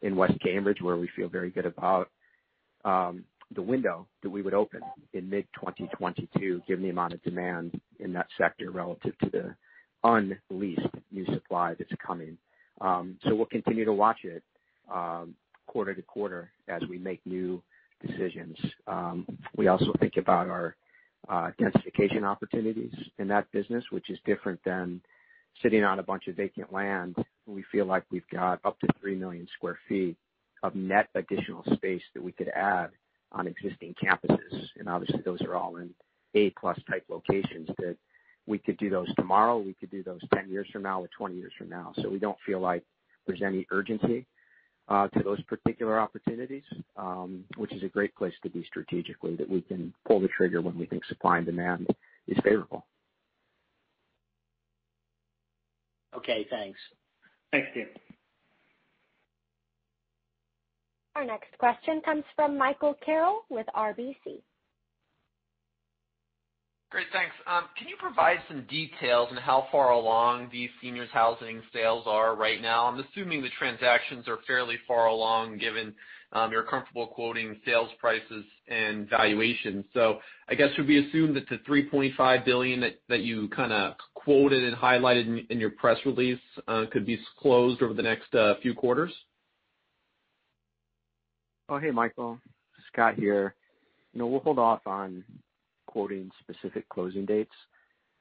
in West Cambridge, where we feel very good about the window that we would open in mid-2022, given the amount of demand in that sector relative to the unleased new supply that's coming. We'll continue to watch it quarter-to-quarter as we make new decisions. We also think about our densification opportunities in that business, which is different than sitting on a bunch of vacant land when we feel like we've got up to 3 million sq ft of net additional space that we could add on existing campuses. Obviously, those are all in A-plus type locations that we could do those tomorrow, we could do those 10 years from now, or 20 years from now. We don't feel like there's any urgency to those particular opportunities, which is a great place to be strategically, that we can pull the trigger when we think supply and demand is favorable. Okay, thanks. Thanks, Steve. Our next question comes from Michael Carroll with RBC. Great, thanks. Can you provide some details on how far along these seniors housing sales are right now? I'm assuming the transactions are fairly far along, given you're comfortable quoting sales prices and valuations. I guess, should we assume that the $3.5 billion that you kind of quoted and highlighted in your press release could be closed over the next few quarters? Hey, Michael. Scott here. We'll hold off on quoting specific closing dates.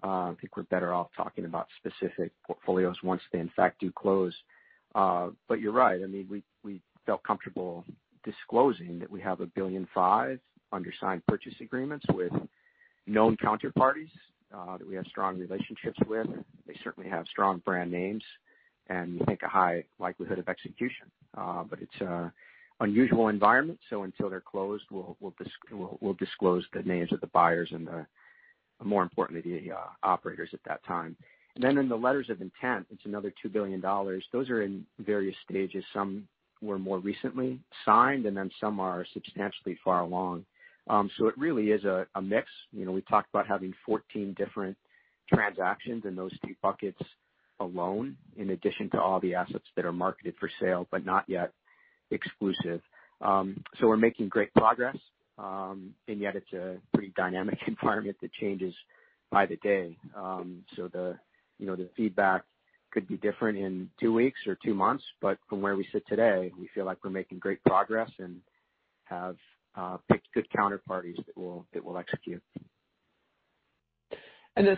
I think we're better off talking about specific portfolios once they in fact do close. You're right. We felt comfortable disclosing that we have $1.5 billion under signed purchase agreements with known counterparties that we have strong relationships with. They certainly have strong brand names, and we think a high likelihood of execution. It's an unusual environment, so until they're closed, we'll disclose the names of the buyers and more importantly, the operators at that time. In the letters of intent, it's another $2 billion. Those are in various stages. Some were more recently signed, some are substantially far along. It really is a mix. We talked about having 14 different transactions in those three buckets alone, in addition to all the assets that are marketed for sale but not yet exclusive. We're making great progress, and yet it's a pretty dynamic environment that changes by the day. The feedback could be different in two weeks or two months, but from where we sit today, we feel like we're making great progress and have picked good counterparties that will execute.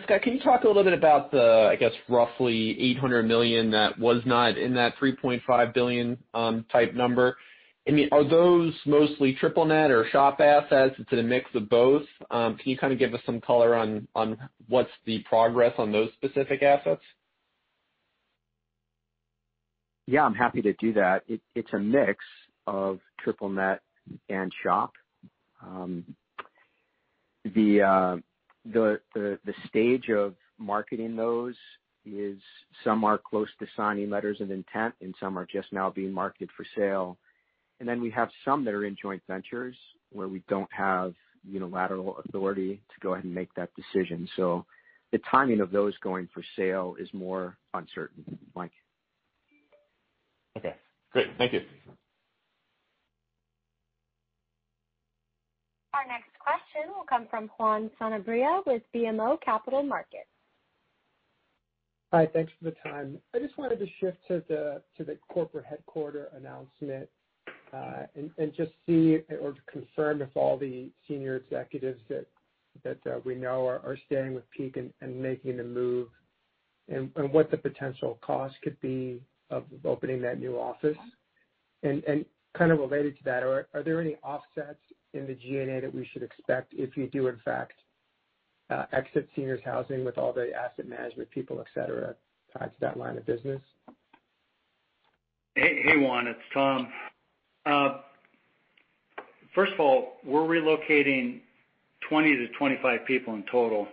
Scott, can you talk a little bit about the, I guess, roughly $800 million that was not in that $3.5 billion type number? I mean, are those mostly triple net or SHOP assets? Is it a mix of both? Can you kind of give us some color on what's the progress on those specific assets? Yeah, I'm happy to do that. It's a mix of triple net and SHOP. The stage of marketing those is some are close to signing letters of intent, and some are just now being marketed for sale. We have some that are in joint ventures where we don't have unilateral authority to go ahead and make that decision. The timing of those going for sale is more uncertain, Mike. Okay. Great. Thank you. Our next question will come from Juan Sanabria with BMO Capital Markets. Hi. Thanks for the time. I just wanted to shift to the corporate headquarter announcement, and just see or to confirm if all the senior executives that we know are staying with Peak and making the move, and what the potential cost could be of opening that new office. Kind of related to that, are there any offsets in the G&A that we should expect if you do, in fact, exit seniors housing with all the asset management people, et cetera, tied to that line of business? Hey, Juan. It's Tom. First of all, we're relocating 20 to 25 people in total.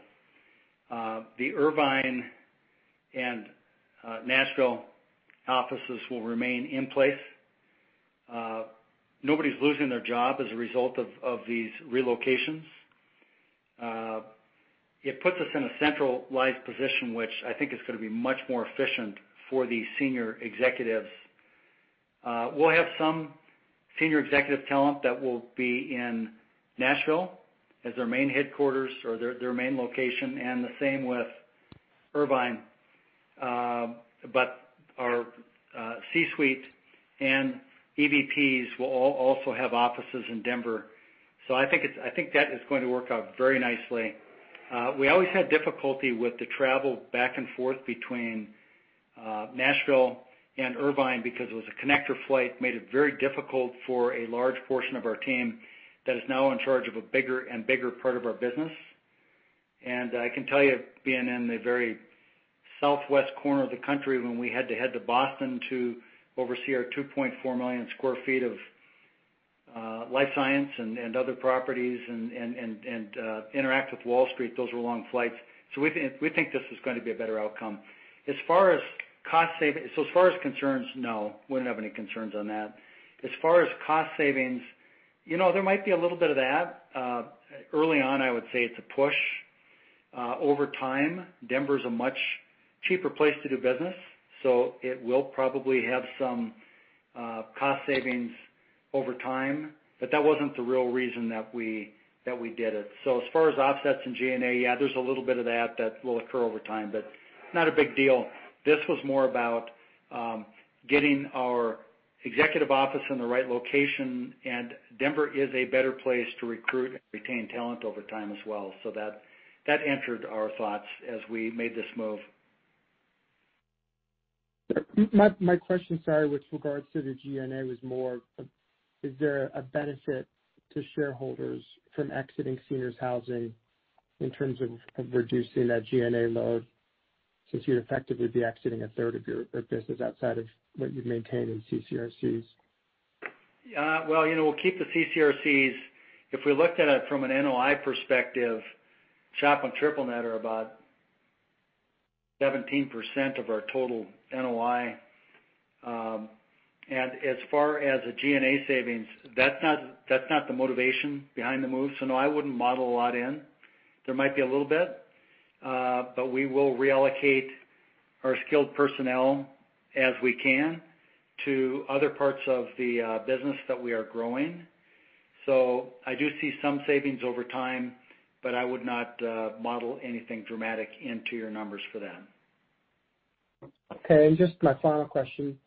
The Irvine and Nashville offices will remain in place. Nobody's losing their job as a result of these relocations. It puts us in a centralized position, which I think is going to be much more efficient for the senior executives. We'll have some senior executive talent that will be in Nashville as their main headquarters or their main location, and the same with Irvine. Our C-suite and EVPs will also have offices in Denver. I think that is going to work out very nicely. We always had difficulty with the travel back and forth between Nashville and Irvine because it was a connector flight, made it very difficult for a large portion of our team that is now in charge of a bigger and bigger part of our business. I can tell you, being in the very southwest corner of the country, when we had to head to Boston to oversee our 2.4 million sq ft of life science and other properties and interact with Wall Street, those were long flights. We think this is going to be a better outcome. As far as concerns, no, wouldn't have any concerns on that. As far as cost savings, there might be a little bit of that. Early on, I would say it's a push. Over time, Denver's a much cheaper place to do business, so it will probably have some cost savings over time. That wasn't the real reason that we did it. As far as offsets in G&A, yeah, there's a little bit of that that will occur over time, but not a big deal. This was more about getting our executive office in the right location, and Denver is a better place to recruit and retain talent over time as well. That entered our thoughts as we made this move. My question, sorry, with regards to the G&A was more, is there a benefit to shareholders from exiting seniors housing in terms of reducing that G&A load, since you'd effectively be exiting a third of your business outside of what you've maintained in CCRCs? Well, we'll keep the CCRCs. If we looked at it from an NOI perspective, SHOP and Triple Net are about 17% of our total NOI. As far as the G&A savings, that's not the motivation behind the move. No, I wouldn't model a lot in. There might be a little bit, but we will reallocate our skilled personnel as we can to other parts of the business that we are growing. I do see some savings over time, but I would not model anything dramatic into your numbers for that. Okay. Just my final question.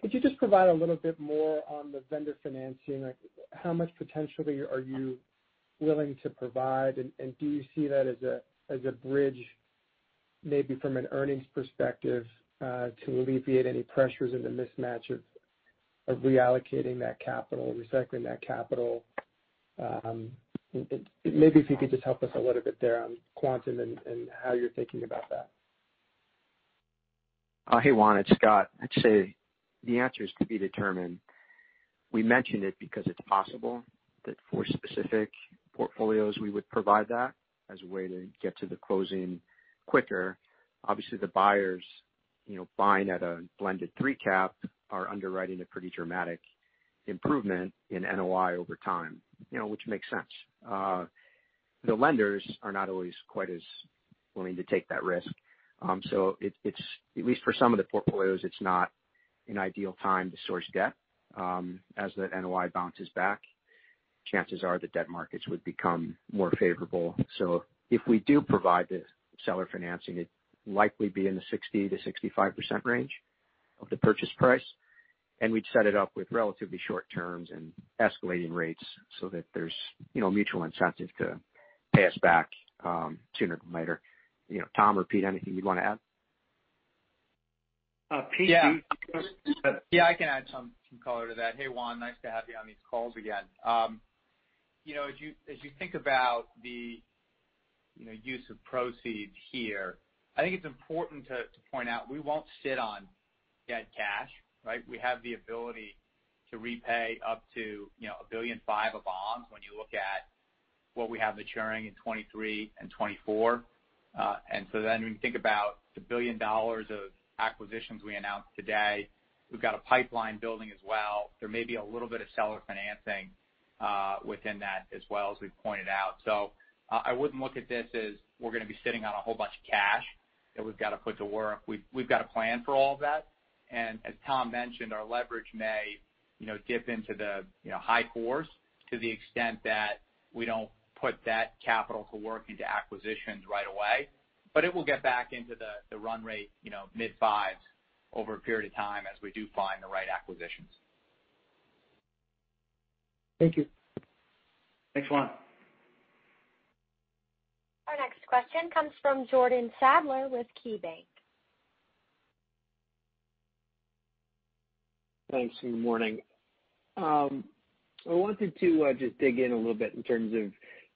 Could you just provide a little bit more on the vendor financing? Like, how much potentially are you willing to provide, and do you see that as a bridge, maybe from an earnings perspective, to alleviate any pressures in the mismatch of reallocating that capital, recycling that capital? Maybe if you could just help us a little bit there on quantum and how you're thinking about that. Hey, Juan, it's Scott. I'd say the answer is to be determined. We mentioned it because it's possible that for specific portfolios, we would provide that as a way to get to the closing quicker. Obviously, the buyers buying at a blended 3 cap are underwriting a pretty dramatic improvement in NOI over time, which makes sense. The lenders are not always quite as willing to take that risk. At least for some of the portfolios, it's not an ideal time to source debt. As the NOI bounces back, chances are the debt markets would become more favorable. If we do provide the seller financing, it'd likely be in the 60%-65% range of the purchase price, and we'd set it up with relatively short terms and escalating rates so that there's mutual incentive to pay us back sooner than later. Tom or Pete, anything you'd want to add? Pete. Yeah. I can add some color to that. Hey, Juan, nice to have you on these calls again. You think about the use of proceeds here, I think it's important to point out we won't sit on dead cash, right? We have the ability to repay up to $1.5 billion of bonds when you look at What we have maturing in 2023 and 2024. When you think about the $1 billion of acquisitions we announced today, we've got a pipeline building as well. There may be a little bit of seller financing within that as well, as we've pointed out. I wouldn't look at this as we're going to be sitting on a whole bunch of cash that we've got to put to work. We've got a plan for all of that. As Tom mentioned, our leverage may dip into the high 4s to the extent that we don't put that capital to work into acquisitions right away. It will get back into the run rate, mid 5s over a period of time as we do find the right acquisitions. Thank you. Thanks, Juan. Our next question comes from Jordan Sadler with KeyBanc. Thanks. Good morning. I wanted to just dig in a little bit in terms of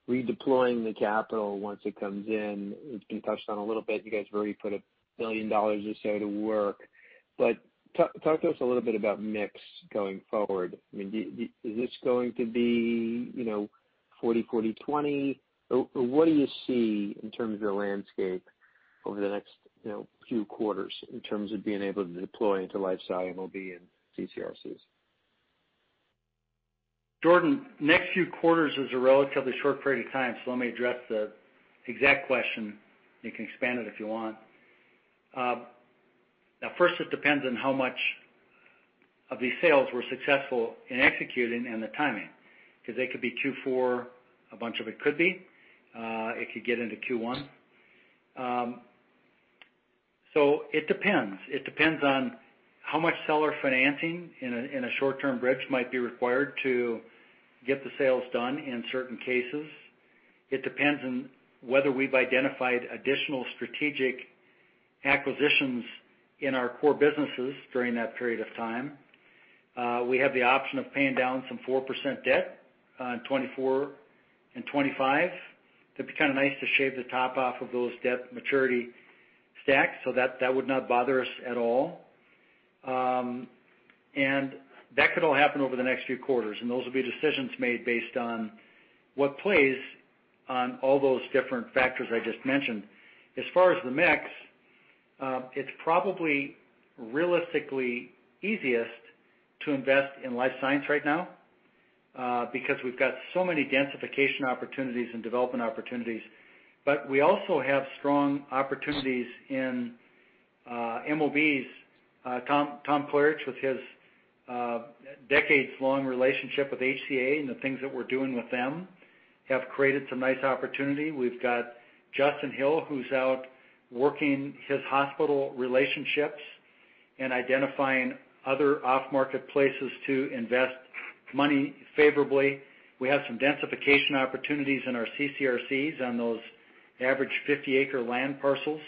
redeploying the capital once it comes in. It's been touched on a little bit. You guys have already put $1 billion or so to work, but talk to us a little bit about mix going forward. Is this going to be 40, 20? What do you see in terms of your landscape over the next few quarters in terms of being able to deploy into life sci, MOB, and CCRCs? Jordan, next few quarters is a relatively short period of time, so let me address the exact question, and you can expand it if you want. First, it depends on how much of these sales we're successful in executing and the timing, because they could be Q4, a bunch of it could be. It could get into Q1. It depends. It depends on how much seller financing in a short-term bridge might be required to get the sales done in certain cases. It depends on whether we've identified additional strategic acquisitions in our core businesses during that period of time. We have the option of paying down some 4% debt in 2024 and 2025. It'd be kind of nice to shave the top off of those debt maturity stacks, so that would not bother us at all. That could all happen over the next few quarters, and those will be decisions made based on what plays on all those different factors I just mentioned. As far as the mix, it's probably realistically easiest to invest in life science right now because we've got so many densification opportunities and development opportunities. We also have strong opportunities in MOBs. Tom Klarich, with his decades-long relationship with HCA and the things that we're doing with them, have created some nice opportunity. We've got Justin Hill, who's out working his hospital relationships and identifying other off-market places to invest money favorably. We have some densification opportunities in our CCRCs on those average 50-acre land parcels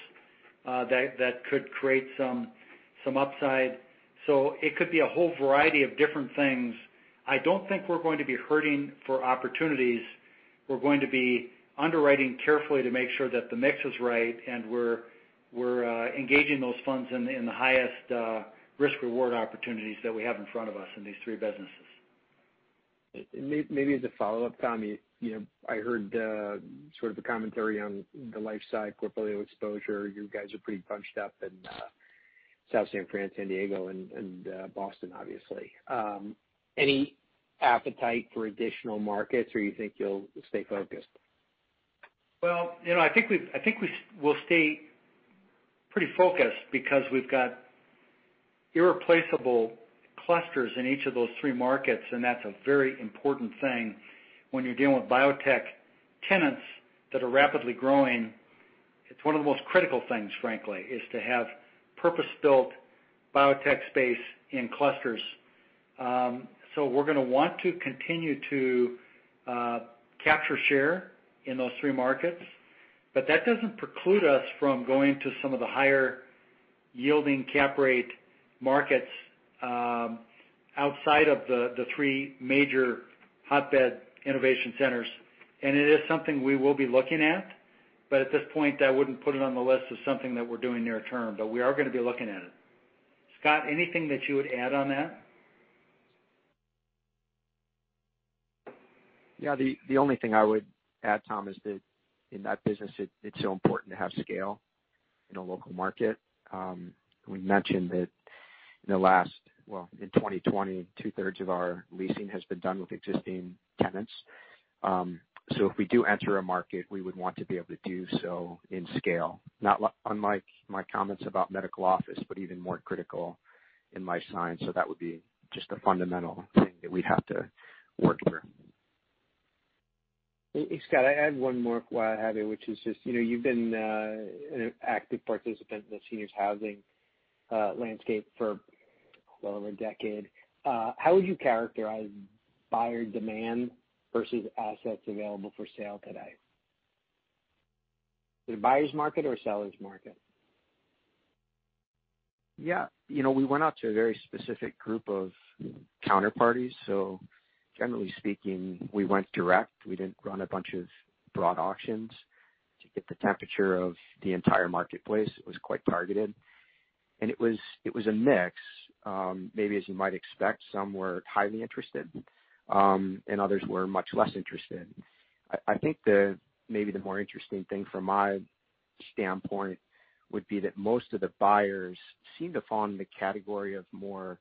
that could create some upside. It could be a whole variety of different things. I don't think we're going to be hurting for opportunities. We're going to be underwriting carefully to make sure that the mix is right, and we're engaging those funds in the highest risk-reward opportunities that we have in front of us in these three businesses. Maybe as a follow-up, Tom, I heard sort of a commentary on the life sci portfolio exposure. You guys are pretty bunched up in South San Fran, San Diego, and Boston, obviously. Any appetite for additional markets, or you think you'll stay focused? I think we'll stay pretty focused because we've got irreplaceable clusters in each of those three markets, and that's a very important thing when you're dealing with biotech tenants that are rapidly growing. It's one of the most critical things, frankly, is to have purpose-built biotech space in clusters. We're going to want to continue to capture share in those three markets. That doesn't preclude us from going to some of the higher-yielding cap rate markets outside of the three major hotbed innovation centers. It is something we will be looking at. At this point, I wouldn't put it on the list as something that we're doing near term, but we are going to be looking at it. Scott, anything that you would add on that? Yeah, the only thing I would add, Tom, is that in that business, it's so important to have scale in a local market. We mentioned that in the last Well, in 2020, two-thirds of our leasing has been done with existing tenants. If we do enter a market, we would want to be able to do so in scale. Unlike my comments about medical office, but even more critical in life science. That would be just a fundamental thing that we'd have to work through. Hey, Scott, I had one more while I have you, which is just, you've been an active participant in the seniors housing landscape for well over a decade. How would you characterize buyer demand versus assets available for sale today? Is it a buyer's market or a seller's market? Yeah. We went out to a very specific group of counterparties. Generally speaking, we went direct. We didn't run a bunch of broad auctions to get the temperature of the entire marketplace. It was quite targeted. It was a mix. Maybe as you might expect, some were highly interested, and others were much less interested. I think maybe the more interesting thing from my standpoint would be that most of the buyers seem to fall in the category of more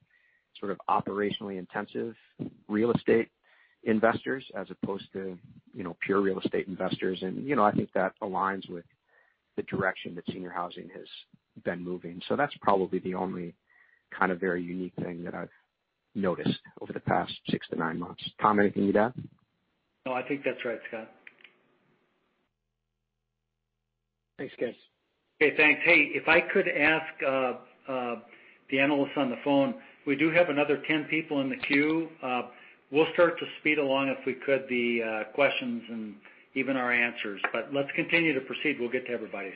sort of operationally intensive real estate investors as opposed to pure real estate investors. I think that aligns with the direction that senior housing has been moving. That's probably the only kind of very unique thing that I've noticed over the past six to nine months. Tom, anything you'd add? No, I think that's right, Scott. Thanks, guys. Okay, thanks. Hey, if I could ask the analysts on the phone, we do have another 10 people in the queue. We'll start to speed along, if we could, the questions and even our answers. Let's continue to proceed. We'll get to everybody.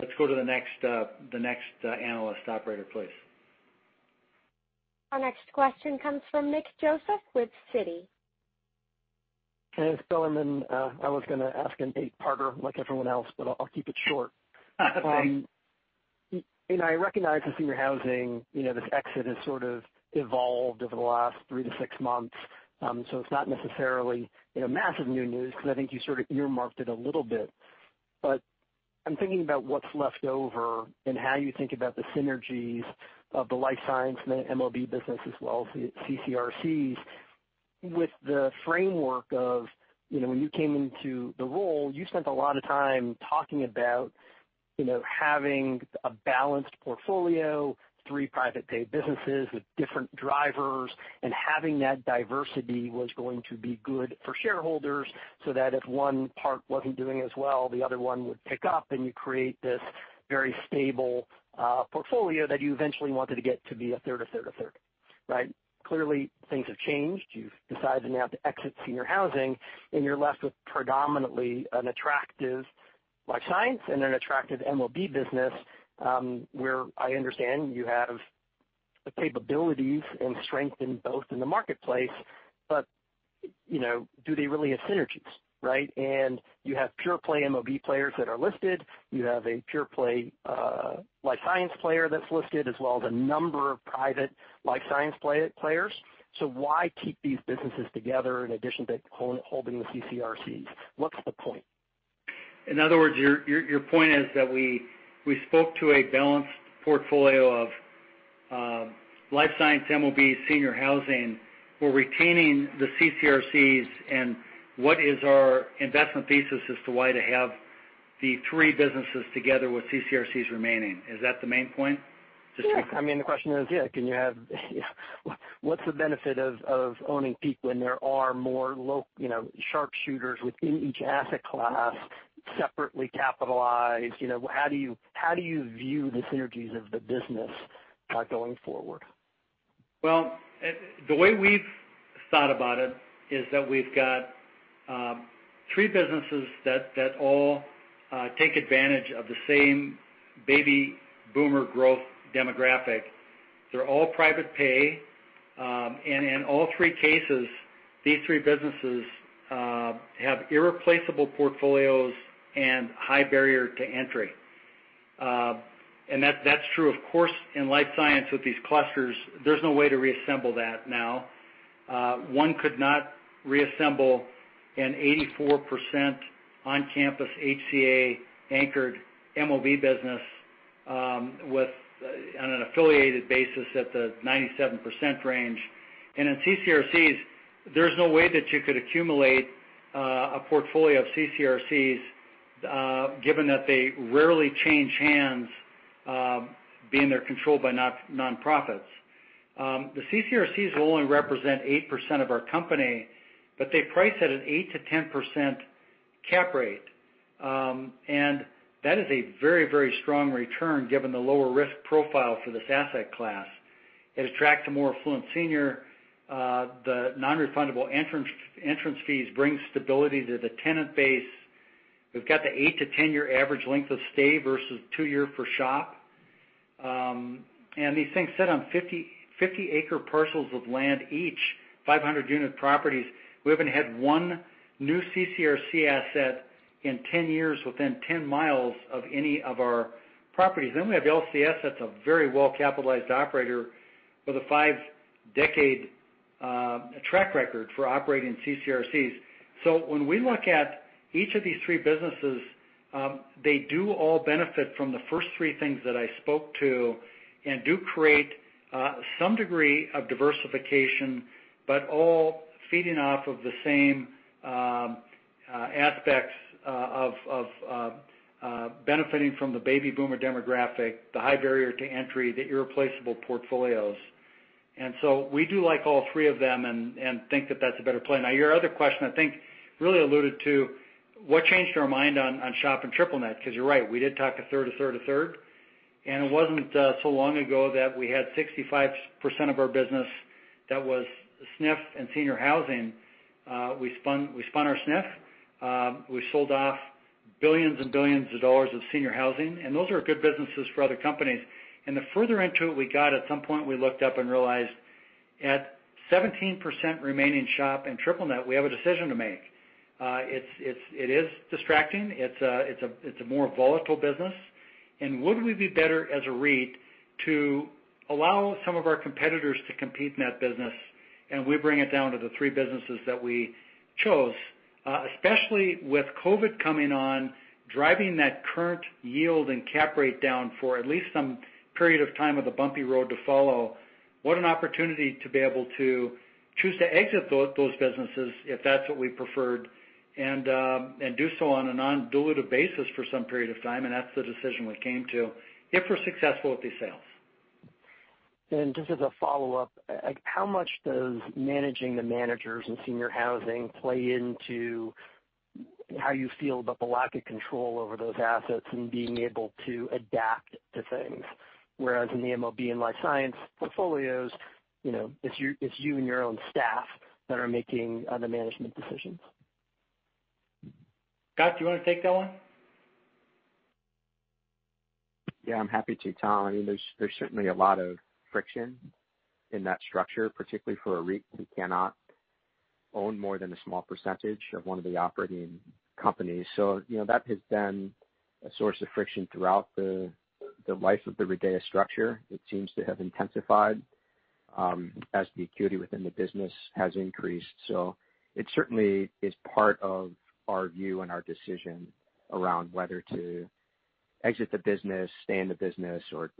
Let's go to the next analyst. Operator, please. Our next question comes from Nick Joseph with Citi. Hey, it's Bilerman. I was going to ask an eight-parter like everyone else, but I'll keep it short. Great. I recognize the senior housing, this exit has sort of evolved over the last three to six months, so it's not necessarily massive new news because I think you sort of earmarked it a little bit, but I'm thinking about what's left over and how you think about the synergies of the life science and the MOB business as well as the CCRCs with the framework of when you came into the role, you spent a lot of time talking about having a balanced portfolio, three private pay businesses with different drivers, and having that diversity was going to be good for shareholders so that if one part wasn't doing as well, the other one would pick up and you create this very stable portfolio that you eventually wanted to get to be a third, a third, a third. Right? Clearly, things have changed. You've decided now to exit senior housing, you're left with predominantly an attractive life science and an attractive MOB business, where I understand you have the capabilities and strength in both in the marketplace, but do they really have synergies, right? You have pure play MOB players that are listed. You have a pure play life science player that's listed as well as a number of private life science players. Why keep these businesses together in addition to holding the CCRCs? What's the point? In other words, your point is that we spoke to a balanced portfolio of life science, MOB, senior housing. We're retaining the CCRCs and what is our investment thesis as to why to have the three businesses together with CCRCs remaining? Is that the main point? Yeah. The question is, yeah, what's the benefit of owning PEAK when there are more sharp shooters within each asset class, separately capitalized? How do you view the synergies of the business going forward? Well, the way we've thought about it is that we've got three businesses that all take advantage of the same baby boomer growth demographic. They're all private pay. In all three cases, these three businesses have irreplaceable portfolios and high barrier to entry. That's true, of course, in life science with these clusters. There's no way to reassemble that now. One could not reassemble an 84% on-campus HCA anchored MOB business on an affiliated basis at the 97% range. In CCRCs, there's no way that you could accumulate a portfolio of CCRCs, given that they rarely change hands, being they're controlled by nonprofits. The CCRCs will only represent 8% of our company, but they price at an 8%-10% cap rate. That is a very, very strong return given the lower risk profile for this asset class. It attracts a more affluent senior. The non-refundable entrance fees bring stability to the tenant base. We've got the 8 to 10 year average length of stay versus two year for SHOP. These things sit on 50-acre parcels of land each, 500 unit properties. We haven't had one new CCRC asset in 10 years within 10 miles of any of our properties. We have LCS, that's a very well capitalized operator with a five-decade track record for operating CCRCs. When we look at each of these three businesses, they do all benefit from the three things that I spoke to and do create some degree of diversification, but all feeding off of the same aspects of benefiting from the baby boomer demographic, the high barrier to entry, the irreplaceable portfolios. We do like all three of them and think that that's a better play. Your other question, I think really alluded to what changed our mind on SHOP and triple net, because you're right, we did talk a third, a third, a third. It wasn't so long ago that we had 65% of our business that was SNF and senior housing. We spun our SNF. We sold off billions and billions of dollars of senior housing, and those are good businesses for other companies. The further into it we got, at some point we looked up and realized. At 17% remaining SHOP and triple net, we have a decision to make. It is distracting. It's a more volatile business. Would we be better as a REIT to allow some of our competitors to compete in that business, and we bring it down to the three businesses that we chose? Especially with COVID coming on, driving that current yield and cap rate down for at least some period of time with a bumpy road to follow, what an opportunity to be able to choose to exit those businesses if that's what we preferred, and do so on a non-dilutive basis for some period of time, and that's the decision we came to, if we're successful with these sales. Just as a follow-up, how much does managing the managers in senior housing play into how you feel about the lack of control over those assets and being able to adapt to things? Whereas in the MOB and life science portfolios, it's you and your own staff that are making the management decisions. Scott, do you want to take that one? I'm happy to, Tom. There's certainly a lot of friction in that structure, particularly for a REIT who cannot own more than a small percentage of one of the operating companies. That has been a source of friction throughout the life of the RIDEA structure. It seems to have intensified as the acuity within the business has increased. It certainly is part of our view and our decision around whether to exit the business, stay in the business, or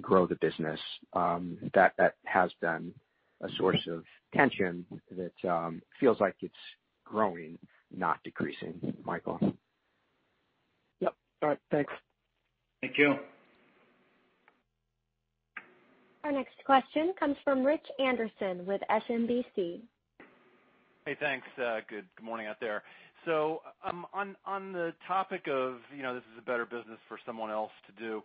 grow the business. That has been a source of tension that feels like it's growing, not decreasing, Michael. Yep. All right. Thanks. Thank you. Our next question comes from Rich Anderson with SMBC. Hey, thanks. Good morning out there. On the topic of this is a better business for someone else to do,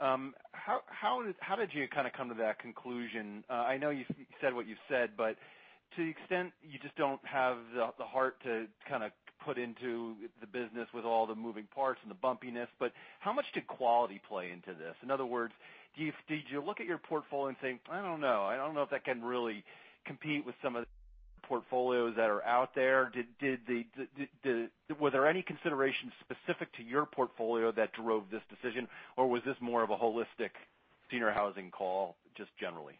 how did you kind of come to that conclusion? I know you said what you said, but to the extent you just don't have the heart to kind of put into the business with all the moving parts and the bumpiness, but how much did quality play into this? In other words, did you look at your portfolio and think, "I don't know. I don't know if that can really compete with some of the portfolios that are out there." Was there any consideration specific to your portfolio that drove this decision, or was this more of a holistic senior housing call, just generally?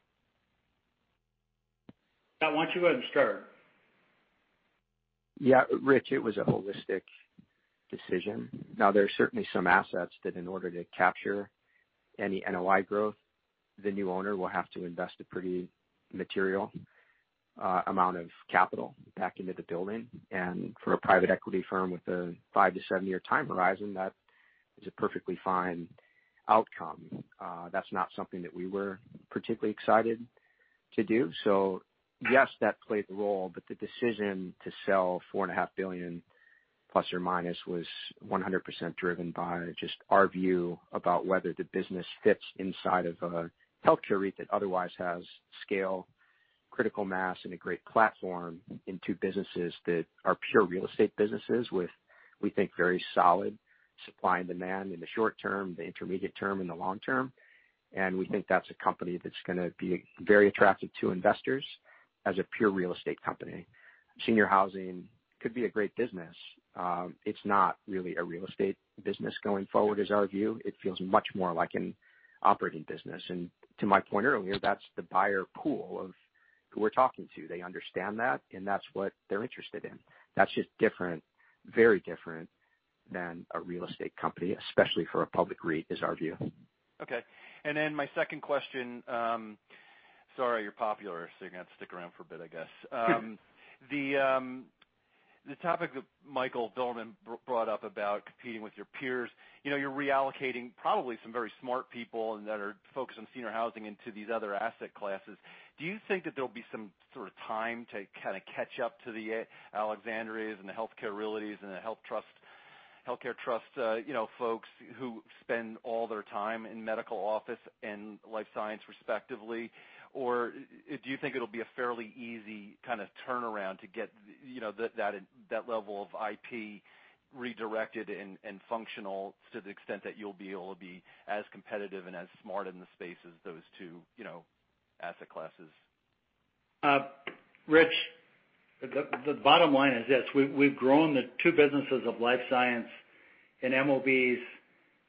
Scott, why don't you go ahead and start? Rich, it was a holistic decision. There are certainly some assets that in order to capture any NOI growth, the new owner will have to invest a pretty material amount of capital back into the building. For a private equity firm with a five to seven-year time horizon, that is a perfectly fine outcome. That's not something that we were particularly excited to do. Yes, that played a role, the decision to sell $4.5 billion ± was 100% driven by just our view about whether the business fits inside of a healthcare REIT that otherwise has scale, critical mass, and a great platform in two businesses that are pure real estate businesses with, we think, very solid supply and demand in the short term, the intermediate term, and the long term. We think that's a company that's going to be very attractive to investors as a pure real estate company. Senior housing could be a great business. It's not really a real estate business going forward is our view. It feels much more like an operating business. To my point earlier, that's the buyer pool of who we're talking to. They understand that, and that's what they're interested in. That's just different, very different than a real estate company, especially for a public REIT, is our view. Okay. My second question. Sorry, you're popular, so you're going to have to stick around for a bit, I guess. The topic that Michael Bilerman brought up about competing with your peers. You're reallocating probably some very smart people that are focused on senior housing into these other asset classes. Do you think that there'll be some sort of time to kind of catch up to the Alexandrias and the Healthcare Realties and the Healthcare Trust folks who spend all their time in Medical Office and Life Science respectively? Do you think it'll be a fairly easy kind of turnaround to get that level of IP redirected and functional to the extent that you'll be able to be as competitive and as smart in the space as those two asset classes? Rich, the bottom line is this. We've grown the two businesses of life science and MOBs.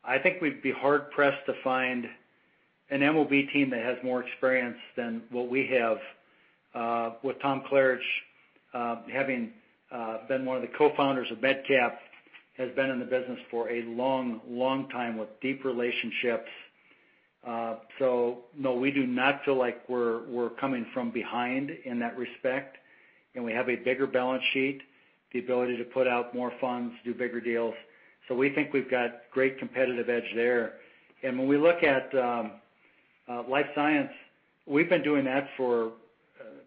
I think we'd be hard-pressed to find an MOB team that has more experience than what we have with Tom Klarich having been one of the co-founders of MedCap, has been in the business for a long, long time with deep relationships. No, we do not feel like we're coming from behind in that respect, and we have a bigger balance sheet, the ability to put out more funds, do bigger deals. We think we've got great competitive edge there. When we look at life science, we've been doing that for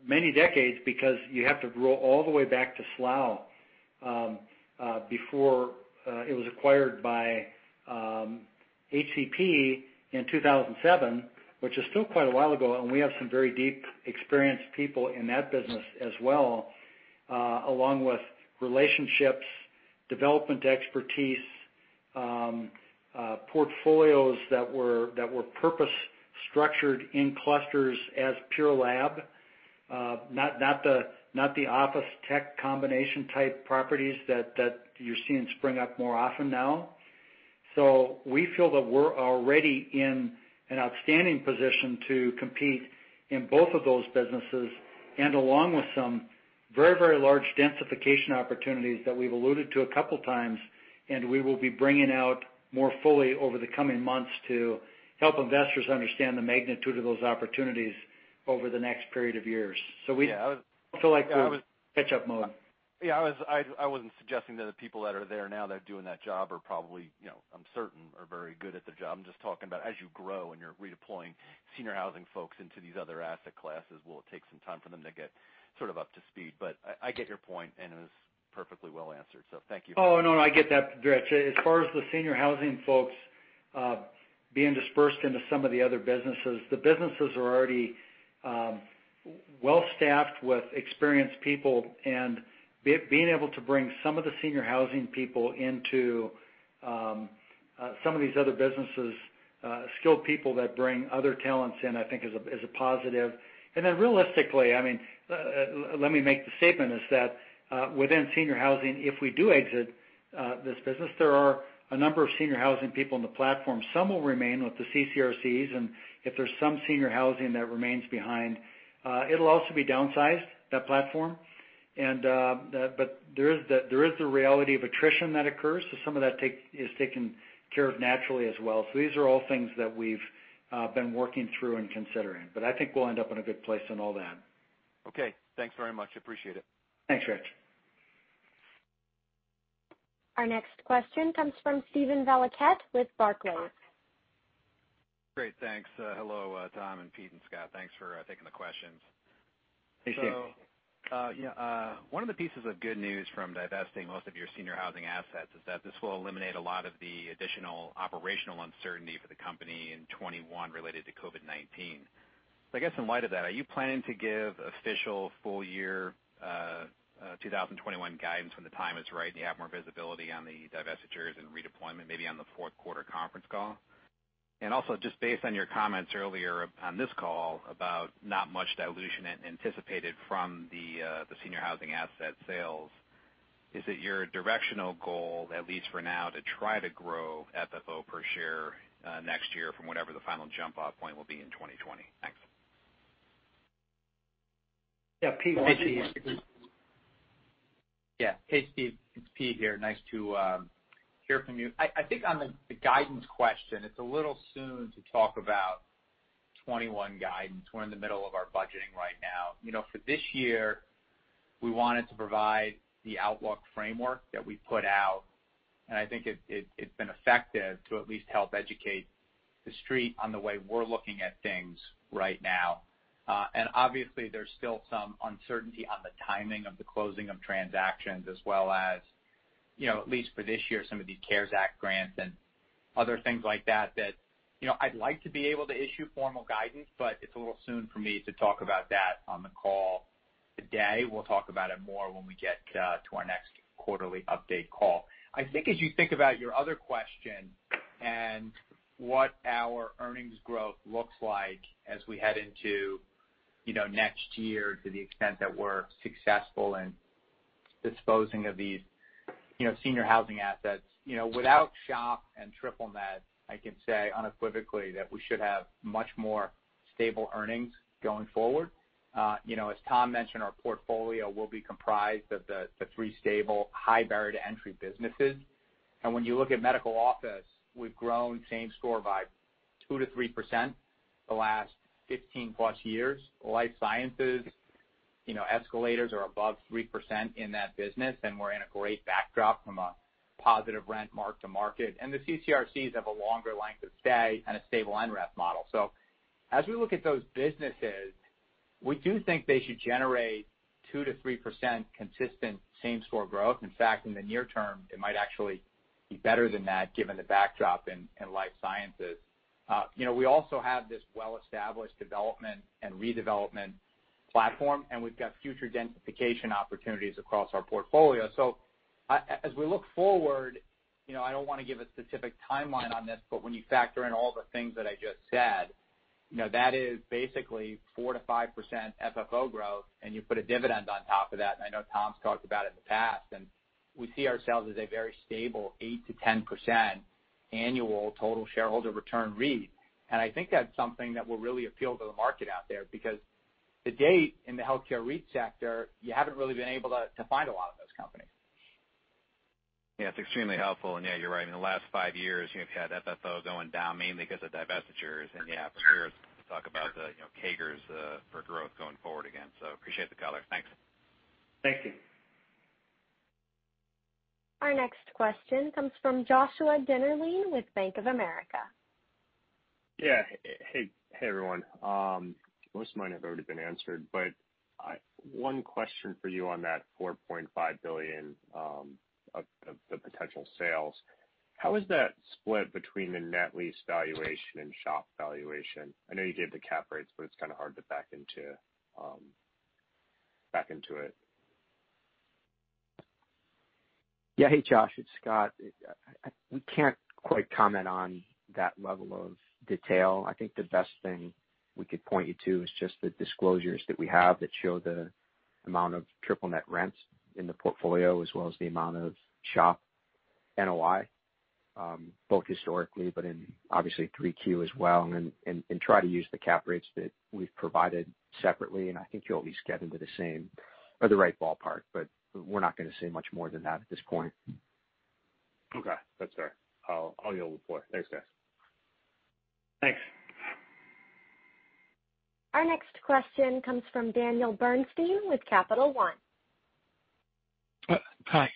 many decades because you have to roll all the way back to Slough before it was acquired by HCP in 2007, which is still quite a while ago, and we have some very deep, experienced people in that business as well along with relationships, development expertise portfolios that were purpose-structured in clusters as pure lab. Not the office tech combination type properties that you're seeing spring up more often now. We feel that we're already in an outstanding position to compete in both of those businesses, and along with some very large densification opportunities that we've alluded to a couple times, and we will be bringing out more fully over the coming months to help investors understand the magnitude of those opportunities over the next period of years. Yeah, I was- Feel like we're- I was- Catch up mode. Yeah, I wasn't suggesting that the people that are there now that are doing that job are probably, I'm certain, are very good at their job. I'm just talking about as you grow and you're redeploying senior housing folks into these other asset classes, will it take some time for them to get sort of up to speed? I get your point, and it was perfectly well answered, so thank you. Oh, no, I get that, Rich. As far as the senior housing folks being dispersed into some of the other businesses. The businesses are already well-staffed with experienced people, and being able to bring some of the senior housing people into some of these other businesses, skilled people that bring other talents in, I think is a positive. Realistically, let me make the statement is that, within senior housing, if we do exit this business, there are a number of senior housing people in the platform. Some will remain with the CCRCs, and if there's some senior housing that remains behind, it'll also be downsized, that platform. There is the reality of attrition that occurs. Some of that is taken care of naturally as well. These are all things that we've been working through and considering. I think we'll end up in a good place on all that. Okay. Thanks very much. Appreciate it. Thanks, Rich. Our next question comes from Steven Valiquette with Barclays. Great. Thanks. Hello Tom and Pete and Scott. Thanks for taking the questions. Hey, Steve. One of the pieces of good news from divesting most of your senior housing assets is that this will eliminate a lot of the additional operational uncertainty for the company in 2021 related to COVID-19. I guess in light of that, are you planning to give official full year 2021 guidance when the time is right, and you have more visibility on the divestitures and redeployment, maybe on the Q4 conference call? Also just based on your comments earlier on this call about not much dilution anticipated from the senior housing asset sales, is it your directional goal, at least for now, to try to grow FFO per share, next year from whatever the final jump off point will be in 2020? Thanks. Yeah, Pete. Hey, Steve. Yeah. Hey, Steve. It's Pete here. Nice to hear from you. I think on the guidance question, it's a little soon to talk about 2021 guidance. We're in the middle of our budgeting right now. For this year, we wanted to provide the outlook framework that we put out, and I think it's been effective to at least help educate the Street on the way we're looking at things right now. Obviously, there's still some uncertainty on the timing of the closing of transactions as well as, at least for this year, some of these CARES Act grants and other things like that I'd like to be able to issue formal guidance, but it's a little soon for me to talk about that on the call today. We'll talk about it more when we get to our next quarterly update call. I think as you think about your other question and what our earnings growth looks like as we head into next year to the extent that we're successful in disposing of these senior housing assets. Without SHOP and triple net, I can say unequivocally that we should have much more stable earnings going forward. As Tom mentioned, our portfolio will be comprised of the three stable high barrier to entry businesses. When you look at medical office, we've grown same store by 2% to 3% the last 15 plus years. Life sciences, escalators are above 3% in that business, and we're in a great backdrop from a positive rent mark to market. The CCRCs have a longer length of stay and a stable NREF model. As we look at those businesses, we do think they should generate 2% to 3% consistent same store growth. In fact, in the near term, it might actually be better than that given the backdrop in life sciences. We also have this well-established development and redevelopment platform, and we've got future densification opportunities across our portfolio. As we look forward, I don't want to give a specific timeline on this, but when you factor in all the things that I just said, that is basically 4%-5% FFO growth, and you put a dividend on top of that, and I know Tom's talked about it in the past, and we see ourselves as a very stable 8%-10% annual total shareholder return REIT. I think that's something that will really appeal to the market out there because to date in the healthcare REIT sector, you haven't really been able to find a lot of those companies. Yeah, it's extremely helpful. Yeah, you're right. In the last five years, you've had FFO going down mainly because of divestitures and yeah, for years talk about the CAGRs for growth going forward again, so appreciate the color. Thanks. Thank you. Our next question comes from Joshua Dennerlein with Bank of America. Yeah. Hey, everyone. Most of mine have already been answered, but one question for you on that $4.5 billion of the potential sales. How is that split between the net lease valuation and SHOP valuation? I know you gave the cap rates, but it's kind of hard to back into it Back into it. Yeah. Hey, Josh, it's Scott. We can't quite comment on that level of detail. I think the best thing we could point you to is just the disclosures that we have that show the amount of triple net rents in the portfolio as well as the amount of SHOP NOI, both historically, but in obviously 3Q as well, and try to use the cap rates that we've provided separately, and I think you'll at least get into the same or the right ballpark. We're not going to say much more than that at this point. Okay. That's fair. I'll yield the floor. Thanks, guys. Thanks. Our next question comes from Daniel Bernstein with Capital One. Hi.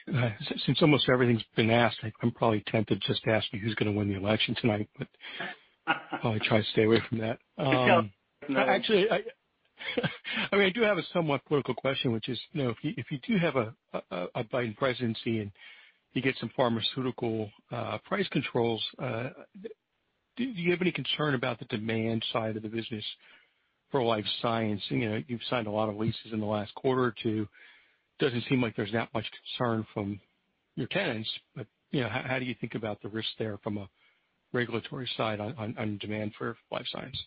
Since almost everything's been asked, I'm probably tempted just to ask you who's going to win the election tonight, probably try to stay away from that. Good call. Actually, I do have a somewhat political question, which is, if you do have a Biden presidency and you get some pharmaceutical price controls, do you have any concern about the demand side of the business for life science? You've signed a lot of leases in the last quarter or two. Doesn't seem like there's that much concern from your tenants. How do you think about the risk there from a regulatory side on demand for life science?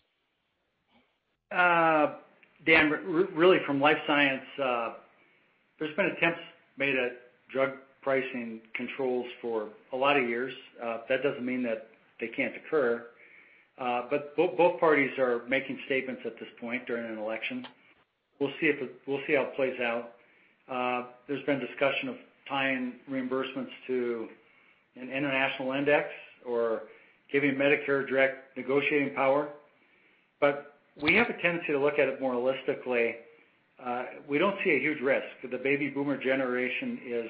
Dan, really from life science, there's been attempts made at drug pricing controls for a lot of years. That doesn't mean that they can't occur. Both parties are making statements at this point during an election. We'll see how it plays out. There's been discussion of tying reimbursements to an international index or giving Medicare direct negotiating power. We have a tendency to look at it more holistically. We don't see a huge risk. The baby boomer generation is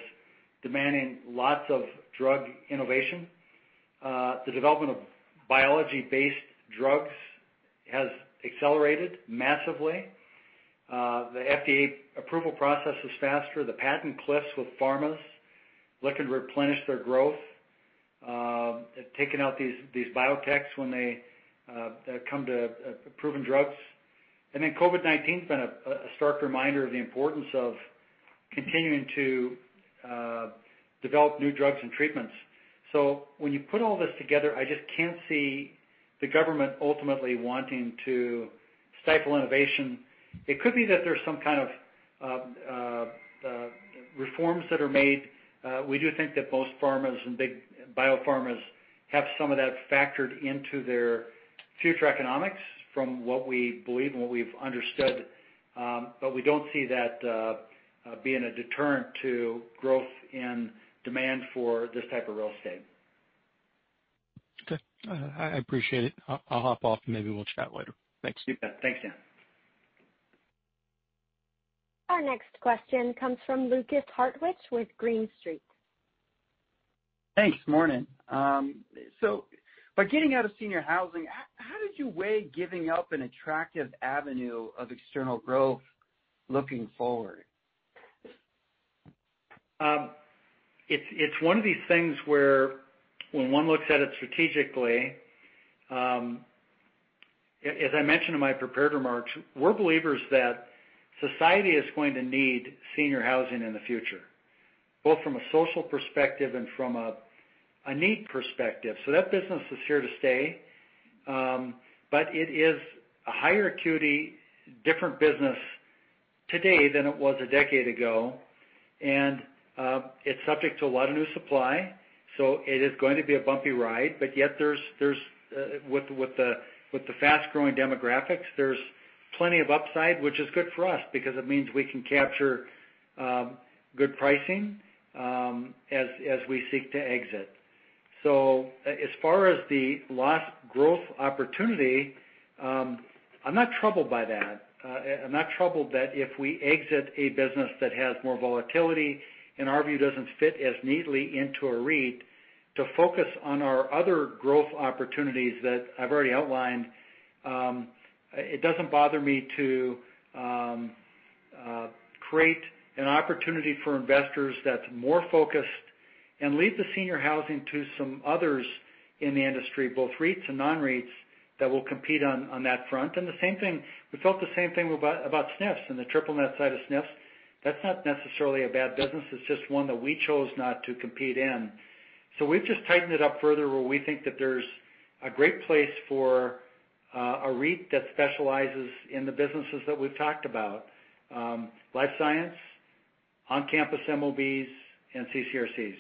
demanding lots of drug innovation. The development of biology-based drugs has accelerated massively. The FDA approval process is faster. The patent cliffs with pharmas looking to replenish their growth, have taken out these biotechs when they come to proven drugs. COVID-19's been a stark reminder of the importance of continuing to develop new drugs and treatments. When you put all this together, I just can't see the government ultimately wanting to stifle innovation. It could be that there's some kind of reforms that are made. We do think that most pharmas and big biopharmas have some of that factored into their future economics from what we believe and what we've understood. We don't see that being a deterrent to growth in demand for this type of real estate. Okay. I appreciate it. I'll hop off and maybe we'll chat later. Thanks. You bet. Thanks, Dan. Our next question comes from Lukas Hartwich with Green Street. Thanks. Morning. By getting out of senior housing, how did you weigh giving up an attractive avenue of external growth looking forward? It's one of these things where when one looks at it strategically, as I mentioned in my prepared remarks, we're believers that society is going to need senior housing in the future, both from a social perspective and from a need perspective. That business is here to stay. It is a higher acuity, different business today than it was a decade ago. It's subject to a lot of new supply, so it is going to be a bumpy ride. Yet with the fast-growing demographics, there's plenty of upside, which is good for us because it means we can capture good pricing as we seek to exit. As far as the lost growth opportunity, I'm not troubled by that. I'm not troubled that if we exit a business that has more volatility, in our view, doesn't fit as neatly into a REIT to focus on our other growth opportunities that I've already outlined. It doesn't bother me to create an opportunity for investors that's more focused and leave the senior housing to some others in the industry, both REITs and non-REITs, that will compete on that front. We felt the same thing about SNF and the triple net side of SNF. That's not necessarily a bad business. It's just one that we chose not to compete in. We've just tightened it up further where we think that there's a great place for a REIT that specializes in the businesses that we've talked about, life science, on-campus MOBs, and CCRCs.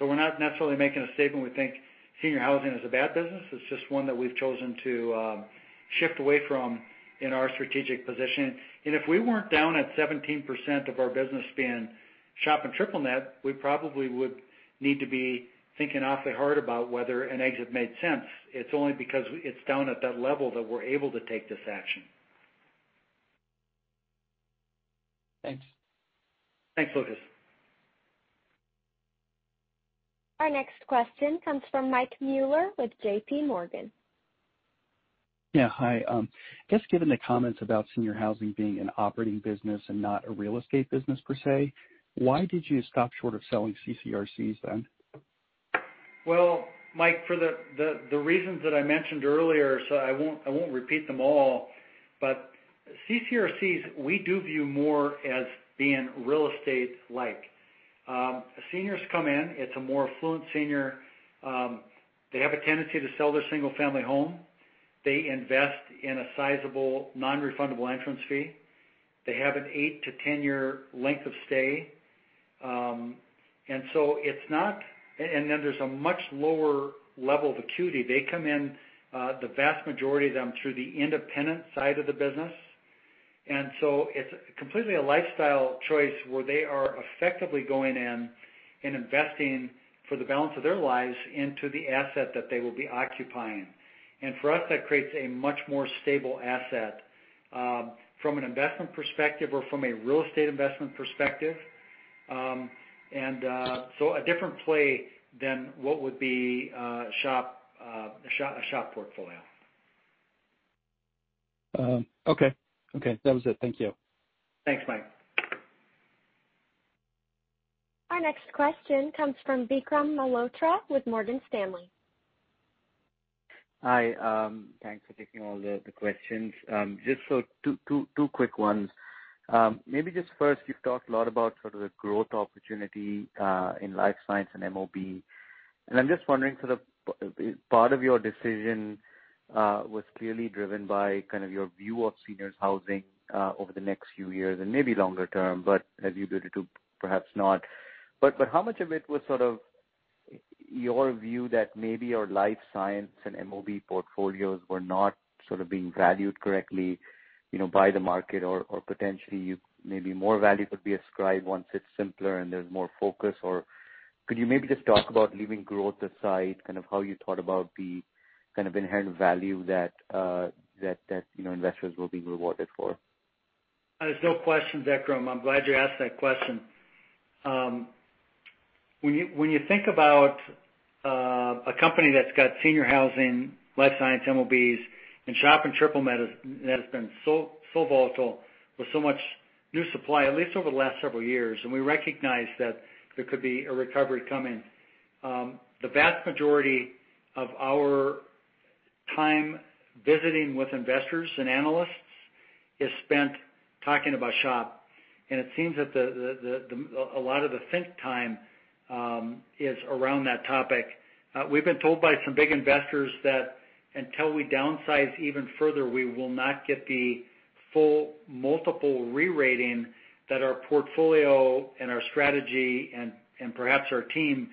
We're not necessarily making a statement we think senior housing is a bad business. It's just one that we've chosen to shift away from in our strategic position. If we weren't down at 17% of our business being SHOP and triple net, we probably would need to be thinking awfully hard about whether an exit made sense. It's only because it's down at that level that we're able to take this action. Thanks. Thanks, Lukas. Our next question comes from Mike Mueller with JPMorgan. Yeah, hi. I guess given the comments about senior housing being an operating business and not a real estate business per se, why did you stop short of selling CCRCs then? Well, Mike, for the reasons that I mentioned earlier, so I won't repeat them all, but CCRCs, we do view more as being real estate-like. Seniors come in, it's a more affluent senior. They have a tendency to sell their single-family home. They invest in a sizable non-refundable entrance fee. They have an eight to 10-year length of stay. There's a much lower level of acuity. They come in, the vast majority of them, through the independent side of the business. It's completely a lifestyle choice where they are effectively going in and investing for the balance of their lives into the asset that they will be occupying. For us, that creates a much more stable asset from an investment perspective or from a real estate investment perspective. A different play than what would be a SHOP portfolio. Okay. That was it. Thank you. Thanks, Mike. Our next question comes from Vikram Malhotra with Morgan Stanley. Hi. Thanks for taking all the questions. Just two quick ones. Maybe just first, you've talked a lot about sort of the growth opportunity in life science and MOB. I'm just wondering sort of, part of your decision was clearly driven by kind of your view of seniors housing over the next few years and maybe longer term, but as you go through 2022, perhaps not. How much of it was sort of your view that maybe your life science and MOB portfolios were not sort of being valued correctly by the market or potentially maybe more value could be ascribed once it's simpler and there's more focus or could you maybe just talk about leaving growth aside, kind of how you thought about the kind of inherent value that investors will be rewarded for? There's no question, Vikram. I'm glad you asked that question. When you think about a company that's got senior housing, life science, MOBs, and SHOP and triple net has been so volatile with so much new supply, at least over the last several years, and we recognize that there could be a recovery coming. The vast majority of our time visiting with investors and analysts is spent talking about SHOP, and it seems that a lot of the think time is around that topic. We've been told by some big investors that until we downsize even further, we will not get the full multiple re-rating that our portfolio and our strategy and perhaps our team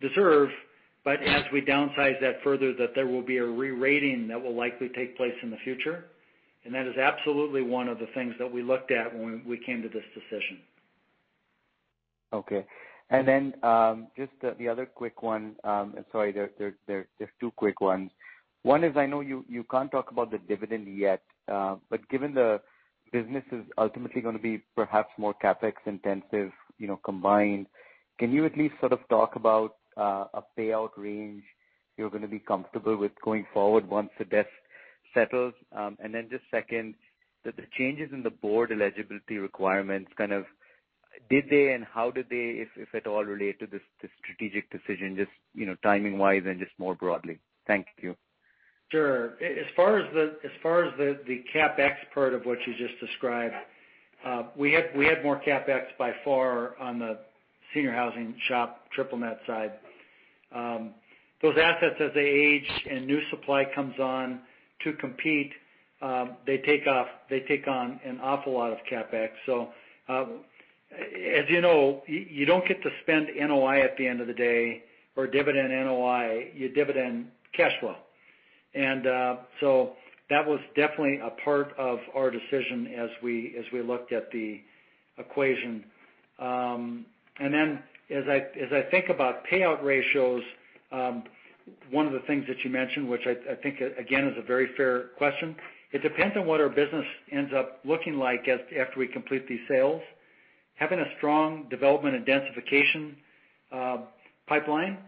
deserve. As we downsize that further, that there will be a re-rating that will likely take place in the future, and that is absolutely one of the things that we looked at when we came to this decision. Okay. Just the other quick one. Sorry, there are two quick ones. One is, I know you can't talk about the dividend yet, but given the business is ultimately going to be perhaps more CapEx intensive combined, can you at least sort of talk about a payout range you're going to be comfortable with going forward once the debt settles? Just second, the changes in the board eligibility requirements, kind of did they and how did they, if at all, relate to this strategic decision, just timing-wise and just more broadly? Thank you. Sure. As far as the CapEx part of what you just described, we had more CapEx by far on the senior housing SHOP triple net side. Those assets, as they age and new supply comes on to compete, they take on an awful lot of CapEx. As you know, you don't get to spend NOI at the end of the day or dividend NOI, you dividend cash flow. That was definitely a part of our decision as we looked at the equation. As I think about payout ratios, one of the things that you mentioned, which I think, again, is a very fair question, it depends on what our business ends up looking like after we complete these sales. Having a strong development and densification pipeline.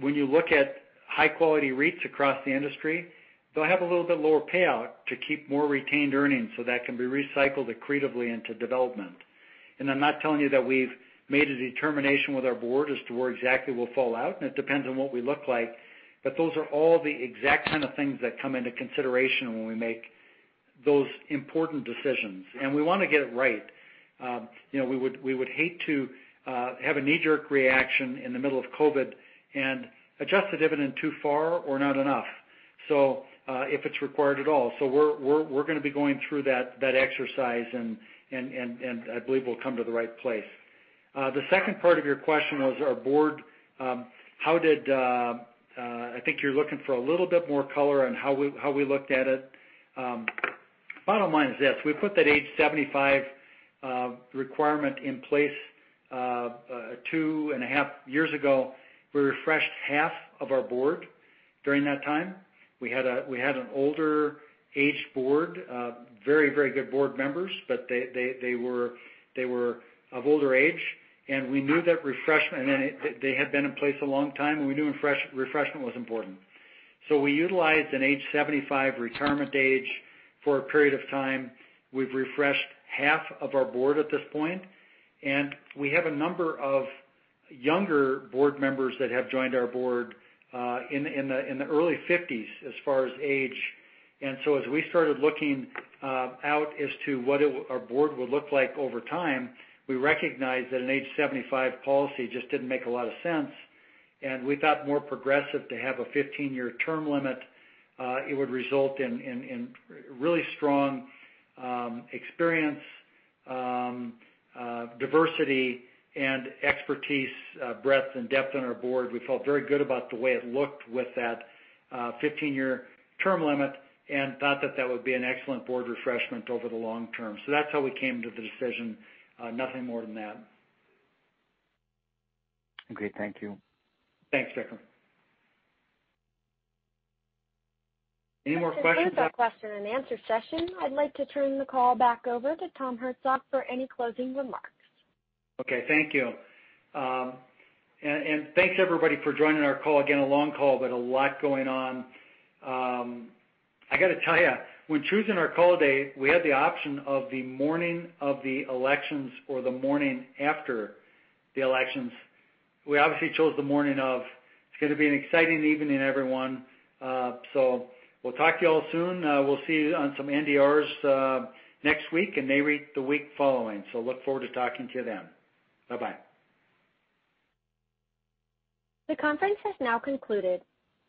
When you look at high-quality REITs across the industry, they'll have a little bit lower payout to keep more retained earnings so that can be recycled accretively into development. I'm not telling you that we've made a determination with our board as to where exactly we'll fall out, and it depends on what we look like, but those are all the exact kind of things that come into consideration when we make those important decisions. We want to get it right. We would hate to have a knee-jerk reaction in the middle of COVID-19 and adjust the dividend too far or not enough. If it's required at all. We're going to be going through that exercise and I believe we'll come to the right place. The second part of your question was our board. I think you're looking for a little bit more color on how we looked at it. Bottom line is this, we put that age 75 requirement in place two and a half years ago. We refreshed half of our board during that time. We had an older age board. Very good board members, but they were of older age, They had been in place a long time, and we knew refreshment was important. We utilized an age 75 retirement age for a period of time. We've refreshed half of our board at this point, We have a number of younger board members that have joined our board in the early 50s as far as age. As we started looking out as to what our board would look like over time, we recognized that an age 75 policy just didn't make a lot of sense, and we thought more progressive to have a 15-year term limit. It would result in really strong experience, diversity, and expertise, breadth and depth on our board. We felt very good about the way it looked with that 15-year term limit and thought that that would be an excellent board refreshment over the long term. That's how we came to the decision. Nothing more than that. Okay, thank you. Thanks, Vikram. Any more questions? This concludes our question and answer session. I'd like to turn the call back over to Tom Herzog for any closing remarks. Okay, thank you. Thanks everybody for joining our call. Again, a long call, but a lot going on. I got to tell you, when choosing our call date, we had the option of the morning of the elections or the morning after the elections. We obviously chose the morning of. It's going to be an exciting evening, everyone. We'll talk to you all soon. We'll see you on some NDRs next week and Nareit the week following. Look forward to talking to you then. Bye-bye. The conference has now concluded.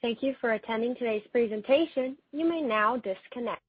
Thank you for attending today's presentation. You may now disconnect.